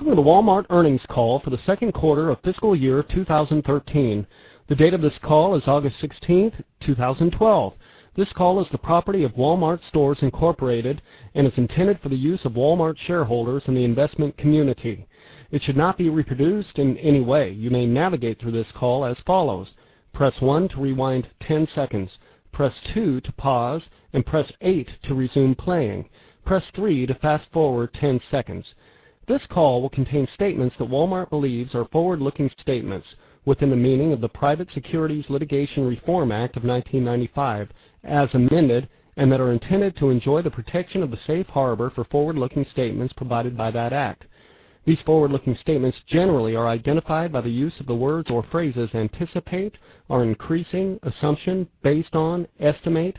Welcome to the Walmart earnings call for the second quarter of fiscal year 2013. The date of this call is August 16th, 2012. This call is the property of Walmart Stores, Inc. and is intended for the use of Walmart shareholders in the investment community. It should not be reproduced in any way. You may navigate through this call as follows: press one to rewind 10 seconds, press two to pause, and press eight to resume playing. Press three to fast-forward 10 seconds. This call will contain statements that Walmart believes are forward-looking statements within the meaning of the Private Securities Litigation Reform Act of 1995 as amended and that are intended to enjoy the protection of the safe harbor for forward-looking statements provided by that act. These forward-looking statements generally are identified by the use of the words or phrases anticipate, are increasing, assumption, based on, estimate,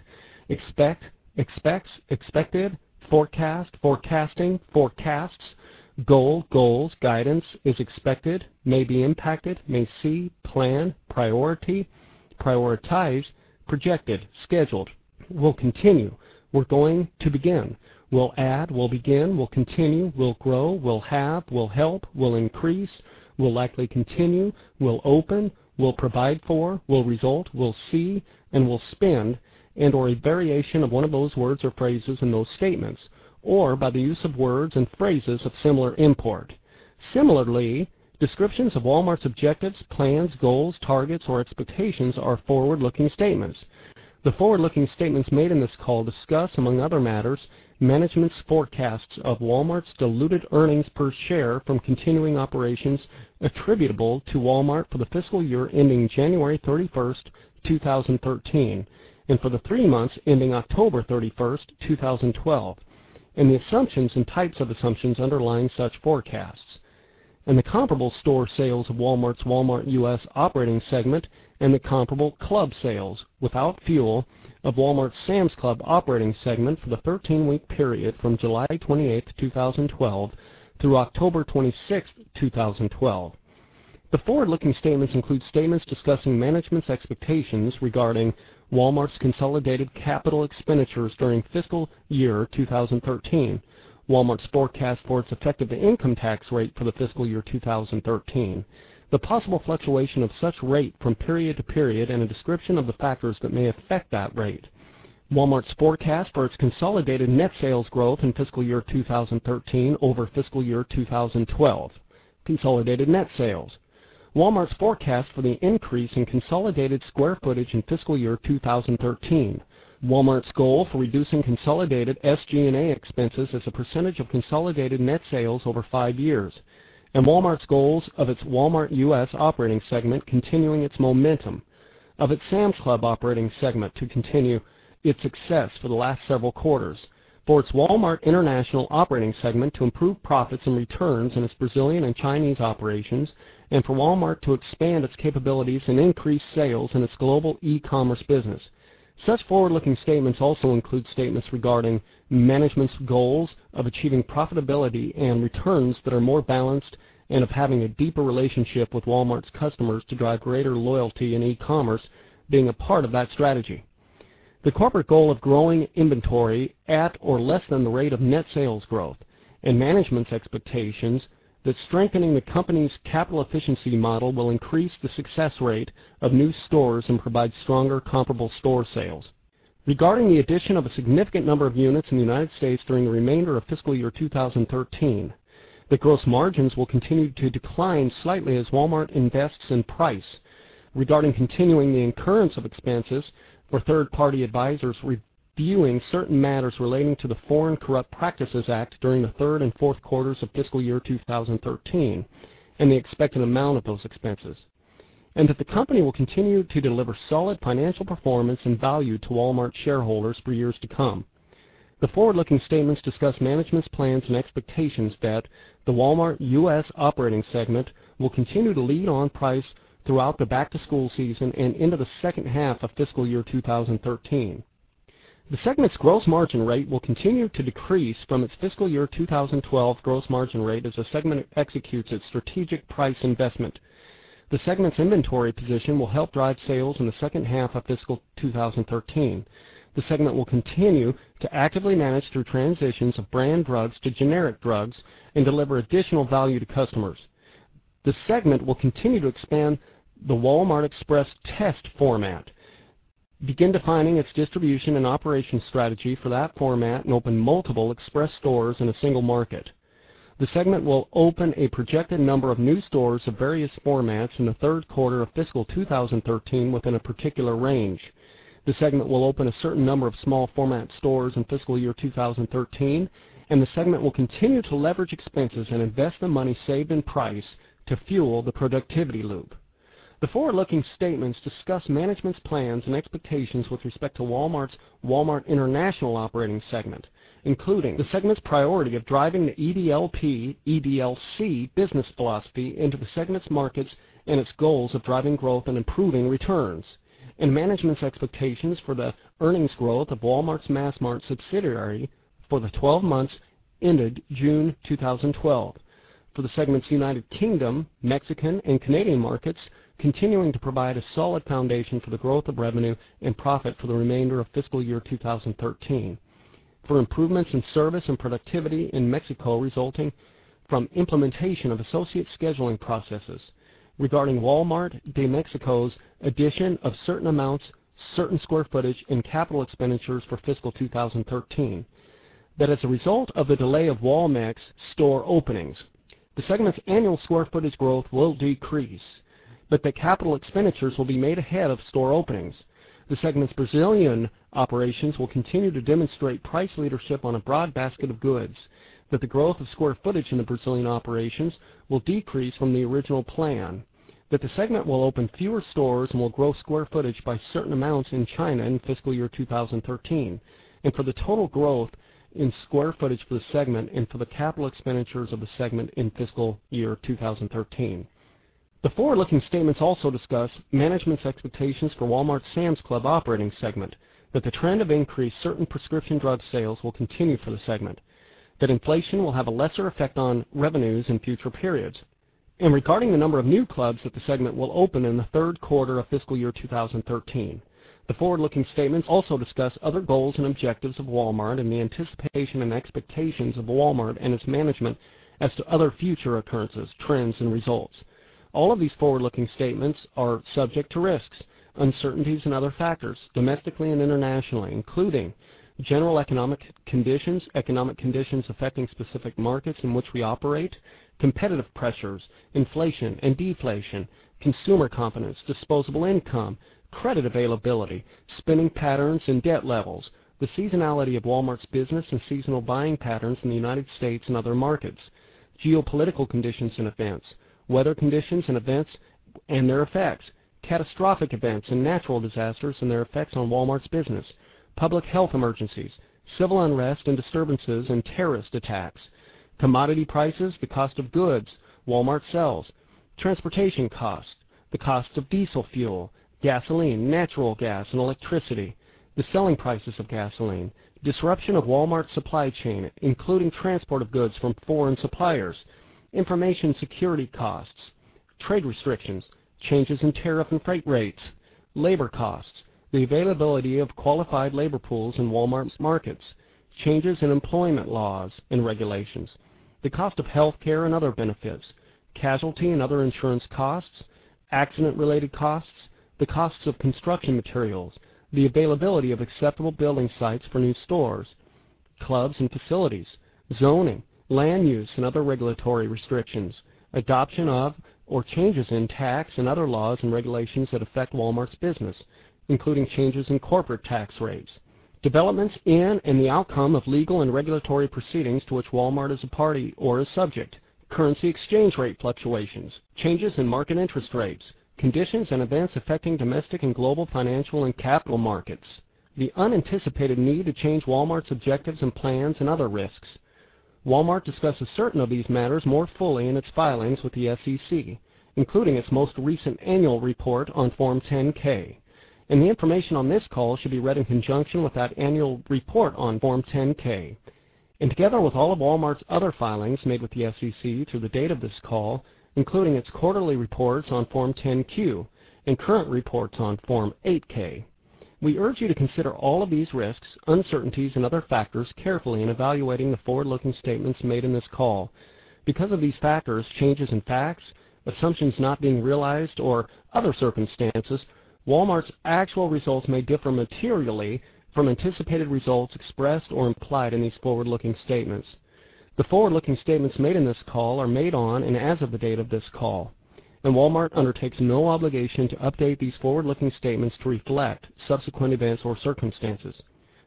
expect, expects, expected, forecast, forecasting, forecasts, goal, goals, guidance, is expected, may be impacted, may see, plan, priority, prioritize, projected, scheduled, will continue, we're going to begin, will add, will begin, will continue, will grow, will have, will help, will increase, will likely continue, will open, will provide for, will result, will see, and will spend, and/or a variation of one of those words or phrases in those statements, or by the use of words and phrases of similar import. Similarly, descriptions of Walmart's objectives, plans, goals, targets, or expectations are forward-looking statements. The forward-looking statements made in this call discuss, among other matters, management's forecasts of Walmart's diluted earnings per share from continuing operations attributable to Walmart for the fiscal year ending January 31st, 2013, and for the three months ending October 31st, 2012, and the assumptions and types of assumptions underlying such forecasts, and the comparable store sales of Walmart's Walmart U.S. operating segment and the comparable club sales without fuel of Walmart's Sam's Club operating segment for the 13-week period from July 28th, 2012 through October 26th, 2012. The forward-looking statements include statements discussing management's expectations regarding Walmart's consolidated capital expenditures during fiscal year 2013. Walmart's forecast for its effective income tax rate for the fiscal year 2013. The possible fluctuation of such rate from period to period, and a description of the factors that may affect that rate. Walmart's forecast for its consolidated net sales growth in fiscal year 2013 over fiscal year 2012. Consolidated net sales. Walmart's forecast for the increase in consolidated square footage in fiscal year 2013. Walmart's goal for reducing consolidated SG&A expenses as a percentage of consolidated net sales over five years, and Walmart's goals of its Walmart U.S. operating segment continuing its momentum of its Sam's Club operating segment to continue its success for the last several quarters. For its Walmart International operating segment to improve profits and returns in its Brazilian and Chinese operations, and for Walmart to expand its capabilities and increase sales in its global e-commerce business. Such forward-looking statements also include statements regarding management's goals of achieving profitability and returns that are more balanced and of having a deeper relationship with Walmart's customers to drive greater loyalty and e-commerce being a part of that strategy. The corporate goal of growing inventory at or less than the rate of net sales growth and management's expectations that strengthening the company's capital efficiency model will increase the success rate of new stores and provide stronger comparable store sales. Regarding the addition of a significant number of units in the U.S. during the remainder of fiscal year 2013, that gross margins will continue to decline slightly as Walmart invests in price. Regarding continuing the incurrence of expenses for third-party advisors reviewing certain matters relating to the Foreign Corrupt Practices Act during the third and fourth quarters of fiscal year 2013 and the expected amount of those expenses. That the company will continue to deliver solid financial performance and value to Walmart shareholders for years to come. The forward-looking statements discuss management's plans and expectations that the Walmart U.S. operating segment will continue to lead on price throughout the back-to-school season and into the second half of fiscal year 2013. The segment's gross margin rate will continue to decrease from its fiscal year 2012 gross margin rate as the segment executes its strategic price investment. The segment's inventory position will help drive sales in the second half of fiscal 2013. The segment will continue to actively manage through transitions of brand drugs to generic drugs and deliver additional value to customers. The segment will continue to expand the Walmart Express test format, begin defining its distribution and operations strategy for that format, and open multiple Express stores in a single market. The segment will open a projected number of new stores of various formats in the third quarter of fiscal 2013 within a particular range. The segment will open a certain number of small format stores in fiscal year 2013, the segment will continue to leverage expenses and invest the money saved in price to fuel the productivity loop. The forward-looking statements discuss management's plans and expectations with respect to Walmart's Walmart International operating segment, including the segment's priority of driving the EDLP, EDLC business philosophy into the segment's markets and its goals of driving growth and improving returns. Management's expectations for the earnings growth of Walmart's Massmart subsidiary for the 12 months ended June 2012 for the segment's U.K., Mexican, and Canadian markets continuing to provide a solid foundation for the growth of revenue and profit for the remainder of fiscal year 2013. For improvements in service and productivity in Mexico resulting from implementation of associate scheduling processes. Regarding Walmart de México's addition of certain amounts Certain square footage and capital expenditures for fiscal year 2013. That as a result of the delay of Walmex store openings, the segment's annual square footage growth will decrease, but that capital expenditures will be made ahead of store openings. The segment's Brazilian operations will continue to demonstrate price leadership on a broad basket of goods, that the growth of square footage in the Brazilian operations will decrease from the original plan, that the segment will open fewer stores and will grow square footage by certain amounts in China in fiscal year 2013, for the total growth in square footage for the segment and for the capital expenditures of the segment in fiscal year 2013. The forward-looking statements also discuss management's expectations for Walmart Sam's Club operating segment, that the trend of increased certain prescription drug sales will continue for the segment, that inflation will have a lesser effect on revenues in future periods, and regarding the number of new clubs that the segment will open in the third quarter of fiscal year 2013. The forward-looking statements also discuss other goals and objectives of Walmart and the anticipation and expectations of Walmart and its management as to other future occurrences, trends, and results. All of these forward-looking statements are subject to risks, uncertainties, and other factors, domestically and internationally, including general economic conditions, economic conditions affecting specific markets in which we operate, competitive pressures, inflation and deflation, consumer confidence, disposable income, credit availability, spending patterns and debt levels, the seasonality of Walmart's business and seasonal buying patterns in the U.S. and other markets, geopolitical conditions and events, weather conditions and events and their effects, catastrophic events and natural disasters and their effects on Walmart's business, public health emergencies, civil unrest and disturbances and terrorist attacks, commodity prices, the cost of goods Walmart sells, transportation costs, the cost of diesel fuel, gasoline, natural gas, and electricity, the selling prices of gasoline, disruption of Walmart's supply chain, including transport of goods from foreign suppliers, information security costs, trade restrictions, changes in tariff and freight rates, labor costs, the availability of qualified labor pools in Walmart's markets, changes in employment laws and regulations, the cost of healthcare and other benefits, casualty and other insurance costs, accident-related costs, the costs of construction materials, the availability of acceptable building sites for new stores, clubs, and facilities, zoning, land use, and other regulatory restrictions, adoption of or changes in tax and other laws and regulations that affect Walmart's business, including changes in corporate tax rates, developments in and the outcome of legal and regulatory proceedings to which Walmart is a party or is subject, currency exchange rate fluctuations, changes in market interest rates, conditions and events affecting domestic and global financial and capital markets, the unanticipated need to change Walmart's objectives and plans and other risks. Walmart discusses certain of these matters more fully in its filings with the SEC, including its most recent annual report on Form 10-K. The information on this call should be read in conjunction with that annual report on Form 10-K and together with all of Walmart's other filings made with the SEC through the date of this call, including its quarterly reports on Form 10-Q and current reports on Form 8-K. We urge you to consider all of these risks, uncertainties, and other factors carefully in evaluating the forward-looking statements made in this call. Because of these factors, changes in facts, assumptions not being realized, or other circumstances, Walmart's actual results may differ materially from anticipated results expressed or implied in these forward-looking statements. The forward-looking statements made in this call are made on and as of the date of this call, Walmart undertakes no obligation to update these forward-looking statements to reflect subsequent events or circumstances.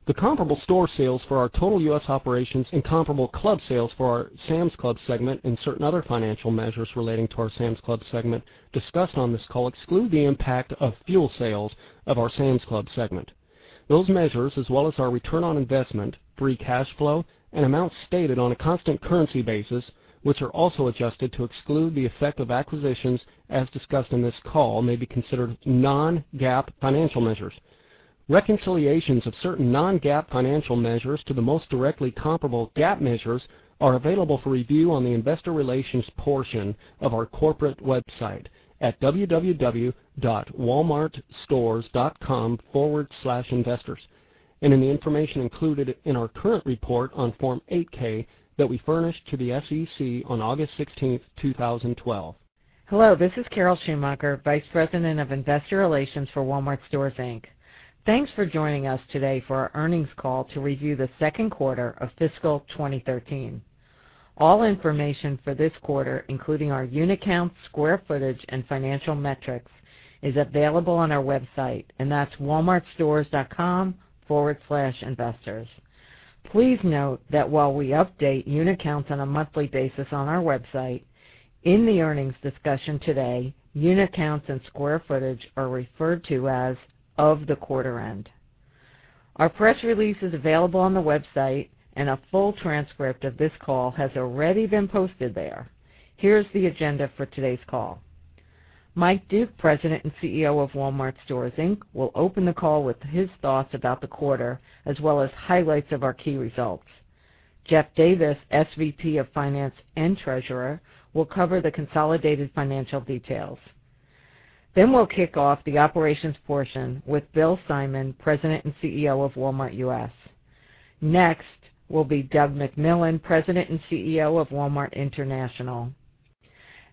The comparable store sales for our total U.S. operations and comparable club sales for our Sam's Club segment and certain other financial measures relating to our Sam's Club segment discussed on this call exclude the impact of fuel sales of our Sam's Club segment. Those measures, as well as our ROI, free cash flow, and amounts stated on a constant currency basis, which are also adjusted to exclude the effect of acquisitions as discussed in this call, may be considered non-GAAP financial measures. Reconciliations of certain non-GAAP financial measures to the most directly comparable GAAP measures are available for review on the Investor Relations portion of our corporate website at www.walmartstores.com/investors and in the information included in our current report on Form 8-K that we furnished to the SEC on August 16th, 2012. Hello, this is Carol Schumacher, Vice President of Investor Relations for Walmart Stores, Inc. Thanks for joining us today for our earnings call to review the second quarter of fiscal 2013. All information for this quarter, including our unit counts, square footage, and financial metrics, is available on our website, and that's walmartstores.com/investors. Please note that while we update unit counts on a monthly basis on our website, in the earnings discussion today, unit counts and square footage are referred to as of the quarter end. Our press release is available on the website, and a full transcript of this call has already been posted there. Here's the agenda for today's call. Mike Duke, President and CEO of Walmart Stores, Inc., will open the call with his thoughts about the quarter as well as highlights of our key results. Jeff Davis, SVP of Finance and Treasurer, will cover the consolidated financial details. We'll kick off the operations portion with Bill Simon, President and CEO of Walmart U.S. Next will be Doug McMillon, President and CEO of Walmart International,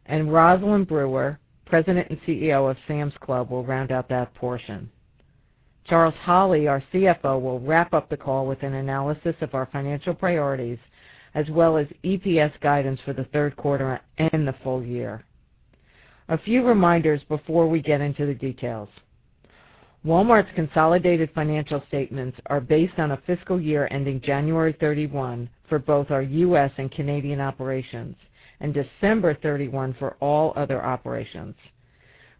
and Rosalind Brewer, President and CEO of Sam's Club, will round out that portion. Charles Holley, our CFO, will wrap up the call with an analysis of our financial priorities as well as EPS guidance for the third quarter and the full year. A few reminders before we get into the details. Walmart's consolidated financial statements are based on a fiscal year ending January 31 for both our U.S. and Canadian operations, and December 31 for all other operations.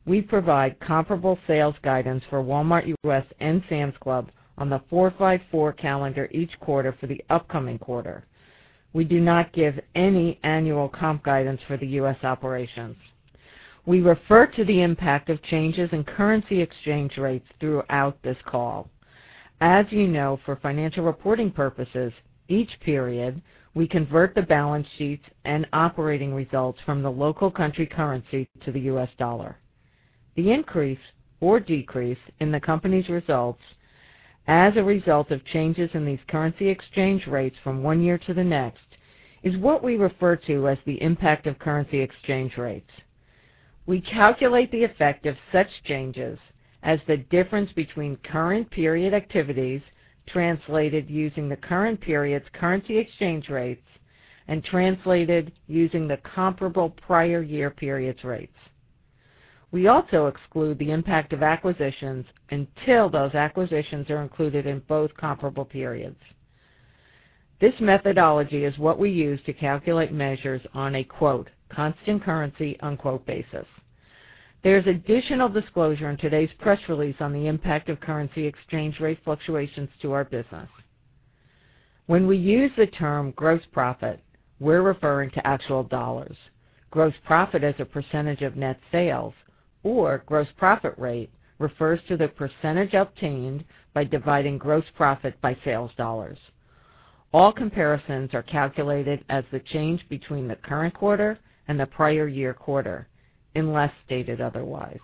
We provide comparable sales guidance for Walmart U.S. and Sam's Club on the four five four calendar each quarter for the upcoming quarter. We do not give any annual comp guidance for the U.S. operations. We refer to the impact of changes in currency exchange rates throughout this call. As you know, for financial reporting purposes, each period we convert the balance sheets and operating results from the local country currency to the U.S. dollar. The increase or decrease in the company's results as a result of changes in these currency exchange rates from one year to the next is what we refer to as the impact of currency exchange rates. We calculate the effect of such changes as the difference between current period activities translated using the current period's currency exchange rates and translated using the comparable prior year period's rates. We also exclude the impact of acquisitions until those acquisitions are included in both comparable periods. This methodology is what we use to calculate measures on a "constant currency" basis. There's additional disclosure in today's press release on the impact of currency exchange rate fluctuations to our business. When we use the term gross profit, we're referring to actual dollars. Gross profit as a percentage of net sales or gross profit rate refers to the percentage obtained by dividing gross profit by sales dollars. All comparisons are calculated as the change between the current quarter and the prior year quarter, unless stated otherwise.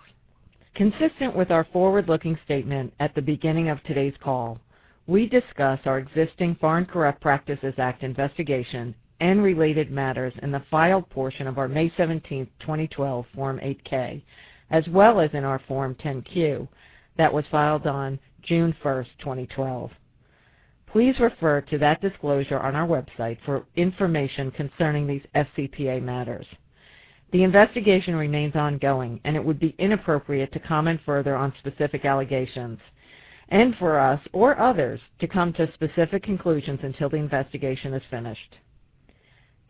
Consistent with our forward-looking statement at the beginning of today's call, we discuss our existing Foreign Corrupt Practices Act investigation and related matters in the filed portion of our May 17th 2012 Form 8-K, as well as in our Form 10-Q that was filed on June 1st, 2012. Please refer to that disclosure on our website for information concerning these FCPA matters. The investigation remains ongoing. It would be inappropriate to comment further on specific allegations and for us or others to come to specific conclusions until the investigation is finished.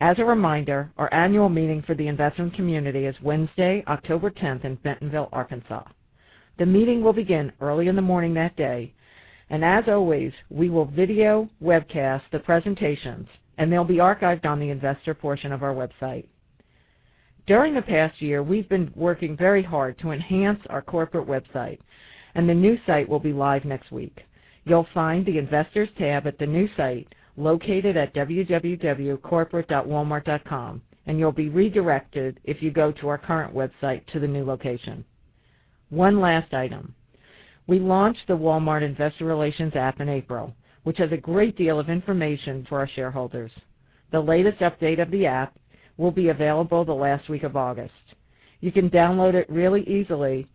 As a reminder, our annual meeting for the investment community is Wednesday, October 10th in Bentonville, Arkansas. The meeting will begin early in the morning that day. As always, we will video webcast the presentations and they'll be archived on the investor portion of our website. During the past year, we've been working very hard to enhance our corporate website. The new site will be live next week. You'll find the investors tab at the new site located at www.corporate.walmart.com, and you'll be redirected if you go to our current website to the new location. One last item. We launched the Walmart Investor Relations app in April, which has a great deal of information for our shareholders. The latest update of the app will be available the last week of August. You can download it really easily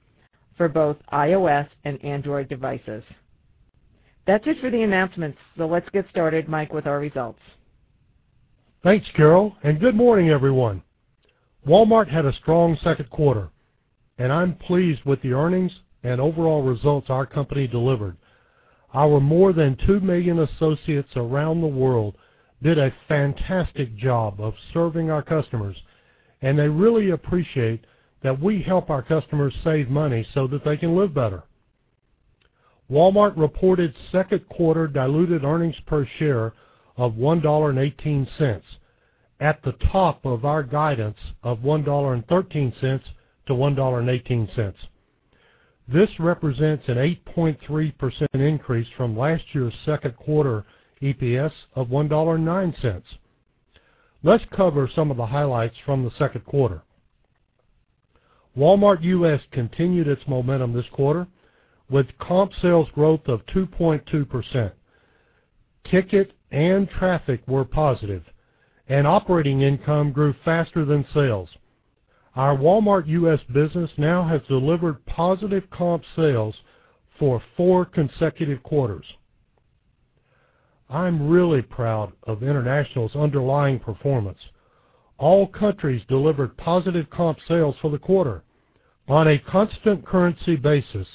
for both iOS and Android devices. That's it for the announcements. Let's get started, Mike, with our results. Thanks, Carol. Good morning, everyone. Walmart had a strong second quarter. I'm pleased with the earnings and overall results our company delivered. Our more than 2 million associates around the world did a fantastic job of serving our customers. They really appreciate that we help our customers save money that they can live better. Walmart reported second quarter diluted earnings per share of $1.18, at the top of our guidance of $1.13 to $1.18. This represents an 8.3% increase from last year's second quarter EPS of $1.09. Let's cover some of the highlights from the second quarter. Walmart U.S. continued its momentum this quarter with comp sales growth of 2.2%. Ticket and traffic were positive. Operating income grew faster than sales. Our Walmart U.S. business now has delivered positive comp sales for four consecutive quarters. I'm really proud of International's underlying performance. All countries delivered positive comp sales for the quarter. On a constant currency basis,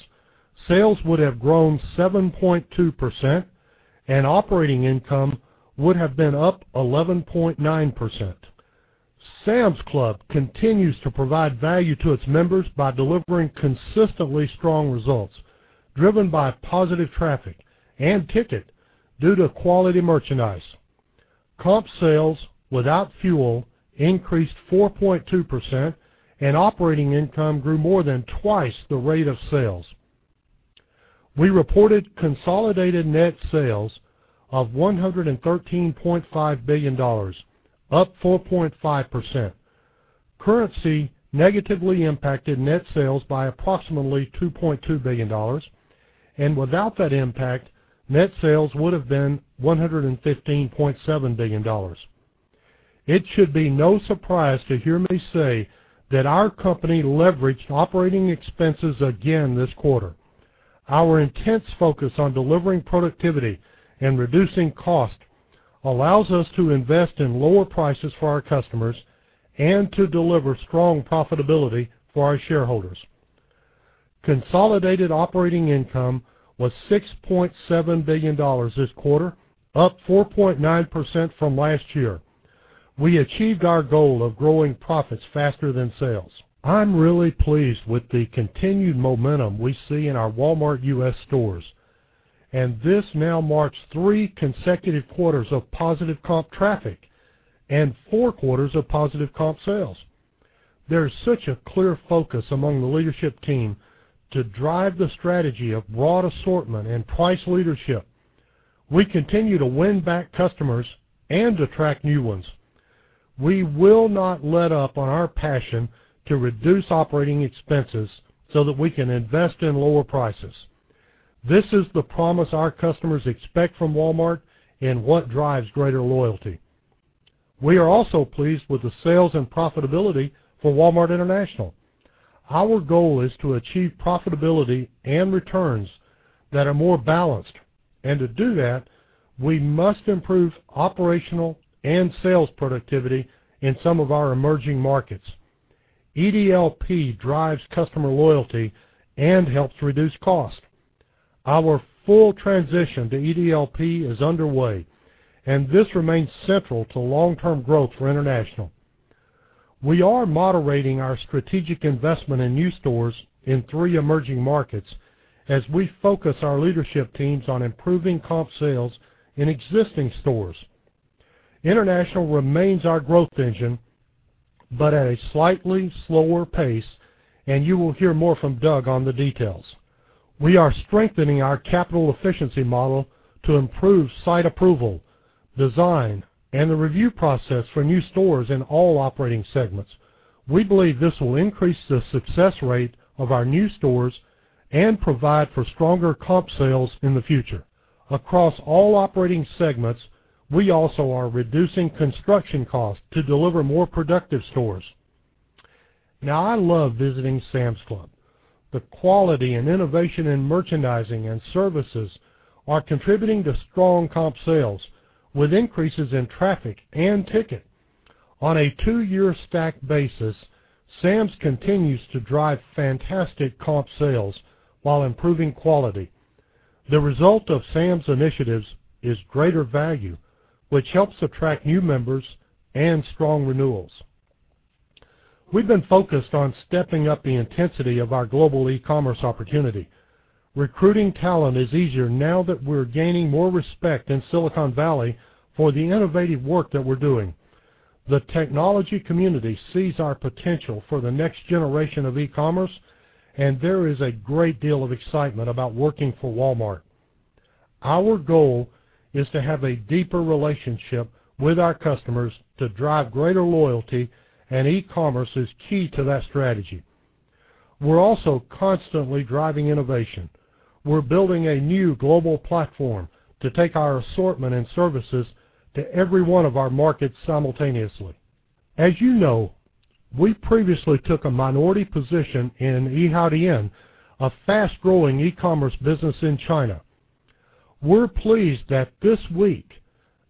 sales would have grown 7.2% and operating income would have been up 11.9%. Sam's Club continues to provide value to its members by delivering consistently strong results driven by positive traffic and ticket due to quality merchandise. Comp sales without fuel increased 4.2% and operating income grew more than twice the rate of sales. We reported consolidated net sales of $113.5 billion, up 4.5%. Currency negatively impacted net sales by approximately $2.2 billion. Without that impact, net sales would have been $115.7 billion. It should be no surprise to hear me say that our company leveraged operating expenses again this quarter. Our intense focus on delivering productivity and reducing cost allows us to invest in lower prices for our customers and to deliver strong profitability for our shareholders. Consolidated operating income was $6.7 billion this quarter, up 4.9% from last year. We achieved our goal of growing profits faster than sales. I'm really pleased with the continued momentum we see in our Walmart U.S. stores. This now marks three consecutive quarters of positive comp traffic and four quarters of positive comp sales. There's such a clear focus among the leadership team to drive the strategy of broad assortment and price leadership. We continue to win back customers and attract new ones. We will not let up on our passion to reduce operating expenses so that we can invest in lower prices. This is the promise our customers expect from Walmart and what drives greater loyalty. We are also pleased with the sales and profitability for Walmart International. Our goal is to achieve profitability and returns that are more balanced. To do that, we must improve operational and sales productivity in some of our emerging markets. EDLP drives customer loyalty and helps reduce cost. Our full transition to EDLP is underway, and this remains central to long-term growth for International. We are moderating our strategic investment in new stores in three emerging markets as we focus our leadership teams on improving comp sales in existing stores. International remains our growth engine, but at a slightly slower pace, and you will hear more from Doug on the details. We are strengthening our capital efficiency model to improve site approval, design, and the review process for new stores in all operating segments. We believe this will increase the success rate of our new stores and provide for stronger comp sales in the future. Across all operating segments, we also are reducing construction costs to deliver more productive stores. Now, I love visiting Sam's Club. The quality and innovation in merchandising and services are contributing to strong comp sales, with increases in traffic and ticket. On a two-year stack basis, Sam's continues to drive fantastic comp sales while improving quality. The result of Sam's initiatives is greater value, which helps attract new members and strong renewals. We've been focused on stepping up the intensity of our global e-commerce opportunity. Recruiting talent is easier now that we're gaining more respect in Silicon Valley for the innovative work that we're doing. The technology community sees our potential for the next generation of e-commerce, and there is a great deal of excitement about working for Walmart. Our goal is to have a deeper relationship with our customers to drive greater loyalty. E-commerce is key to that strategy. We're also constantly driving innovation. We're building a new global platform to take our assortment and services to every one of our markets simultaneously. As you know, we previously took a minority position in Yihaodian, a fast-growing e-commerce business in China. We're pleased that this week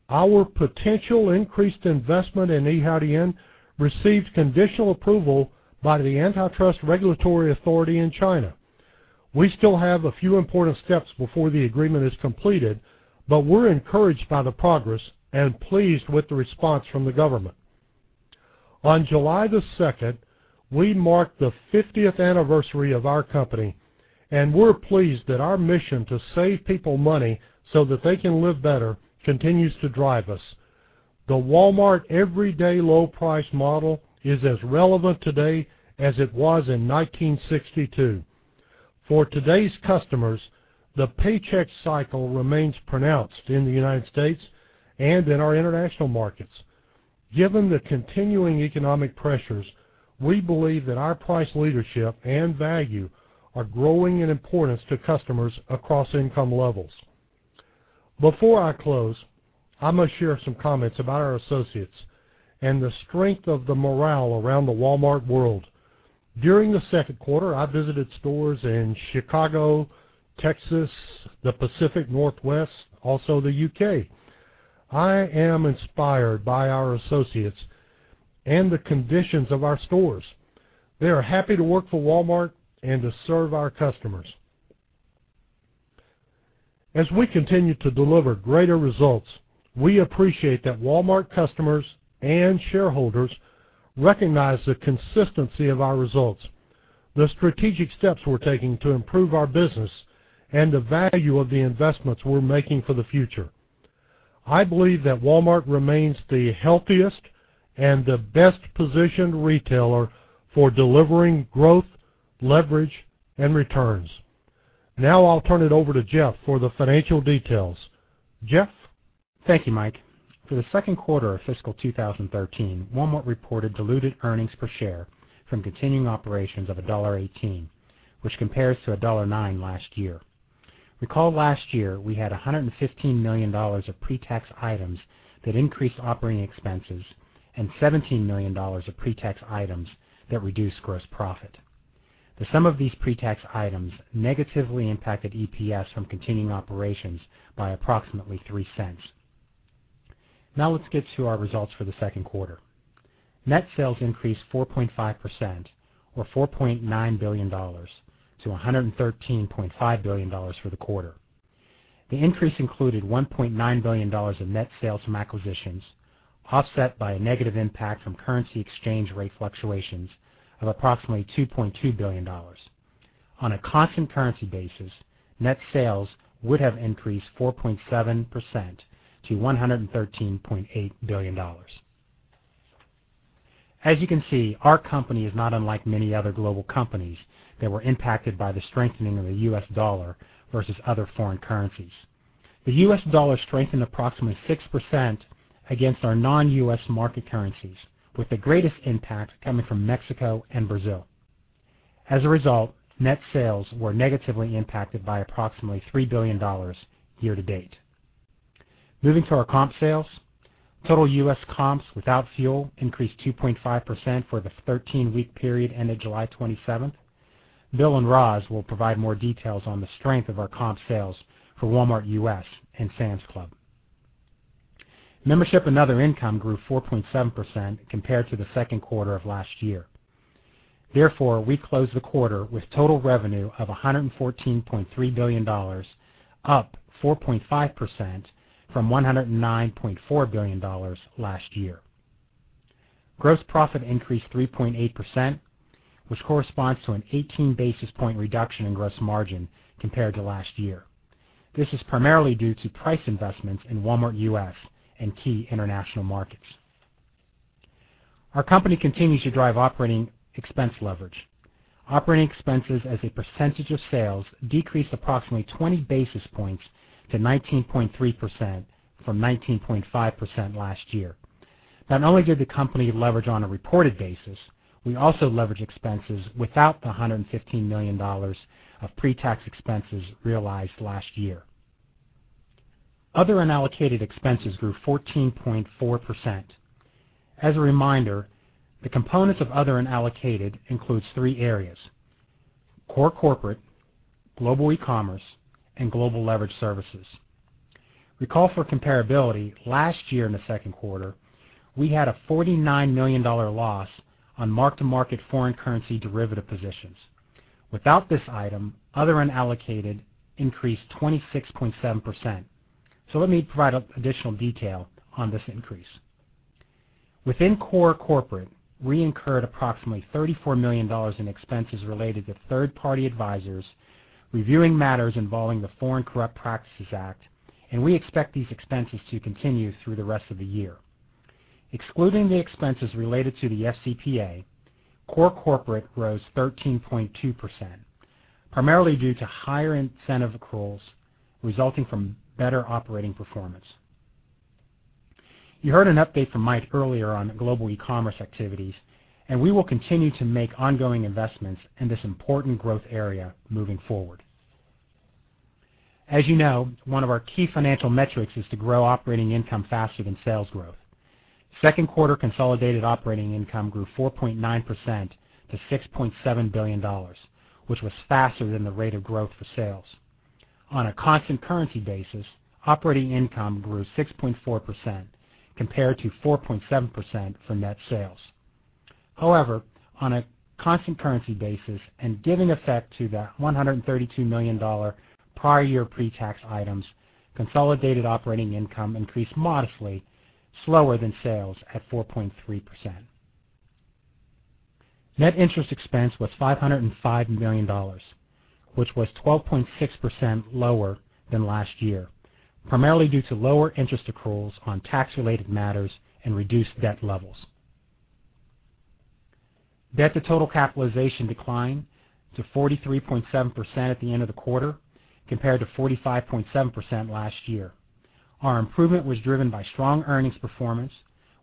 our potential increased investment in Yihaodian received conditional approval by the antitrust regulatory authority in China. We still have a few important steps before the agreement is completed, but we're encouraged by the progress and pleased with the response from the government. On July the 2nd, we marked the 50th anniversary of our company. We're pleased that our mission to save people money so that they can live better continues to drive us. The Walmart everyday low price model is as relevant today as it was in 1962. For today's customers, the paycheck cycle remains pronounced in the United States and in our international markets. Given the continuing economic pressures, we believe that our price leadership and value are growing in importance to customers across income levels. Before I close, I must share some comments about our associates and the strength of the morale around the Walmart world. During the second quarter, I visited stores in Chicago, Texas, the Pacific Northwest, also the U.K. I am inspired by our associates and the conditions of our stores. They are happy to work for Walmart and to serve our customers. As we continue to deliver greater results, we appreciate that Walmart customers and shareholders recognize the consistency of our results, the strategic steps we're taking to improve our business, and the value of the investments we're making for the future. I believe that Walmart remains the healthiest and the best-positioned retailer for delivering growth, leverage, and returns. I'll turn it over to Jeff for the financial details. Jeff? Thank you, Mike. For the second quarter of fiscal 2013, Walmart reported diluted earnings per share from continuing operations of $1.18, which compares to $1.09 last year. Recall last year, we had $115 million of pre-tax items that increased operating expenses and $17 million of pre-tax items that reduced gross profit. The sum of these pre-tax items negatively impacted EPS from continuing operations by approximately $0.03. Let's get to our results for the second quarter. Net sales increased 4.5%, or $4.9 billion, to $113.5 billion for the quarter. The increase included $1.9 billion of net sales from acquisitions, offset by a negative impact from currency exchange rate fluctuations of approximately $2.2 billion. On a constant currency basis, net sales would have increased 4.7% to $113.8 billion. As you can see, our company is not unlike many other global companies that were impacted by the strengthening of the U.S. dollar versus other foreign currencies. The U.S. dollar strengthened approximately 6% against our non-U.S. market currencies, with the greatest impact coming from Mexico and Brazil. As a result, net sales were negatively impacted by approximately $3 billion year-to-date. Moving to our comp sales, total U.S. comps without fuel increased 2.5% for the 13-week period ended July 27th. Bill and Roz will provide more details on the strength of our comp sales for Walmart U.S. and Sam's Club. Membership and other income grew 4.7% compared to the second quarter of last year. Therefore, we closed the quarter with total revenue of $114.3 billion, up 4.5% from $109.4 billion last year. Gross profit increased 3.8%, which corresponds to an 18-basis-point reduction in gross margin compared to last year. This is primarily due to price investments in Walmart U.S. and key international markets. Our company continues to drive operating expense leverage. Operating expenses as a percentage of sales decreased approximately 20 basis points to 19.3% from 19.5% last year. Not only did the company leverage on a reported basis, we also leveraged expenses without the $115 million of pre-tax expenses realized last year. Other unallocated expenses grew 14.4%. As a reminder, the components of other unallocated includes three areas: core corporate, global eCommerce, and global leverage services. Recall for comparability, last year in the second quarter, we had a $49 million loss on mark-to-market foreign currency derivative positions. Without this item, other unallocated increased 26.7%. Let me provide additional detail on this increase. Within core corporate, we incurred approximately $34 million in expenses related to third-party advisors reviewing matters involving the Foreign Corrupt Practices Act, and we expect these expenses to continue through the rest of the year. Excluding the expenses related to the FCPA, core corporate rose 13.2%, primarily due to higher incentive accruals resulting from better operating performance. You heard an update from Mike earlier on global eCommerce activities, and we will continue to make ongoing investments in this important growth area moving forward. As you know, one of our key financial metrics is to grow operating income faster than sales growth. Second quarter consolidated operating income grew 4.9% to $6.7 billion, which was faster than the rate of growth for sales. On a constant currency basis, operating income grew 6.4%, compared to 4.7% for net sales. However, on a constant currency basis and giving effect to the $132 million prior year pre-tax items, consolidated operating income increased modestly slower than sales at 4.3%. Net interest expense was $505 million, which was 12.6% lower than last year, primarily due to lower interest accruals on tax-related matters and reduced debt levels. Debt-to-total capitalization declined to 43.7% at the end of the quarter, compared to 45.7% last year. Our improvement was driven by strong earnings performance,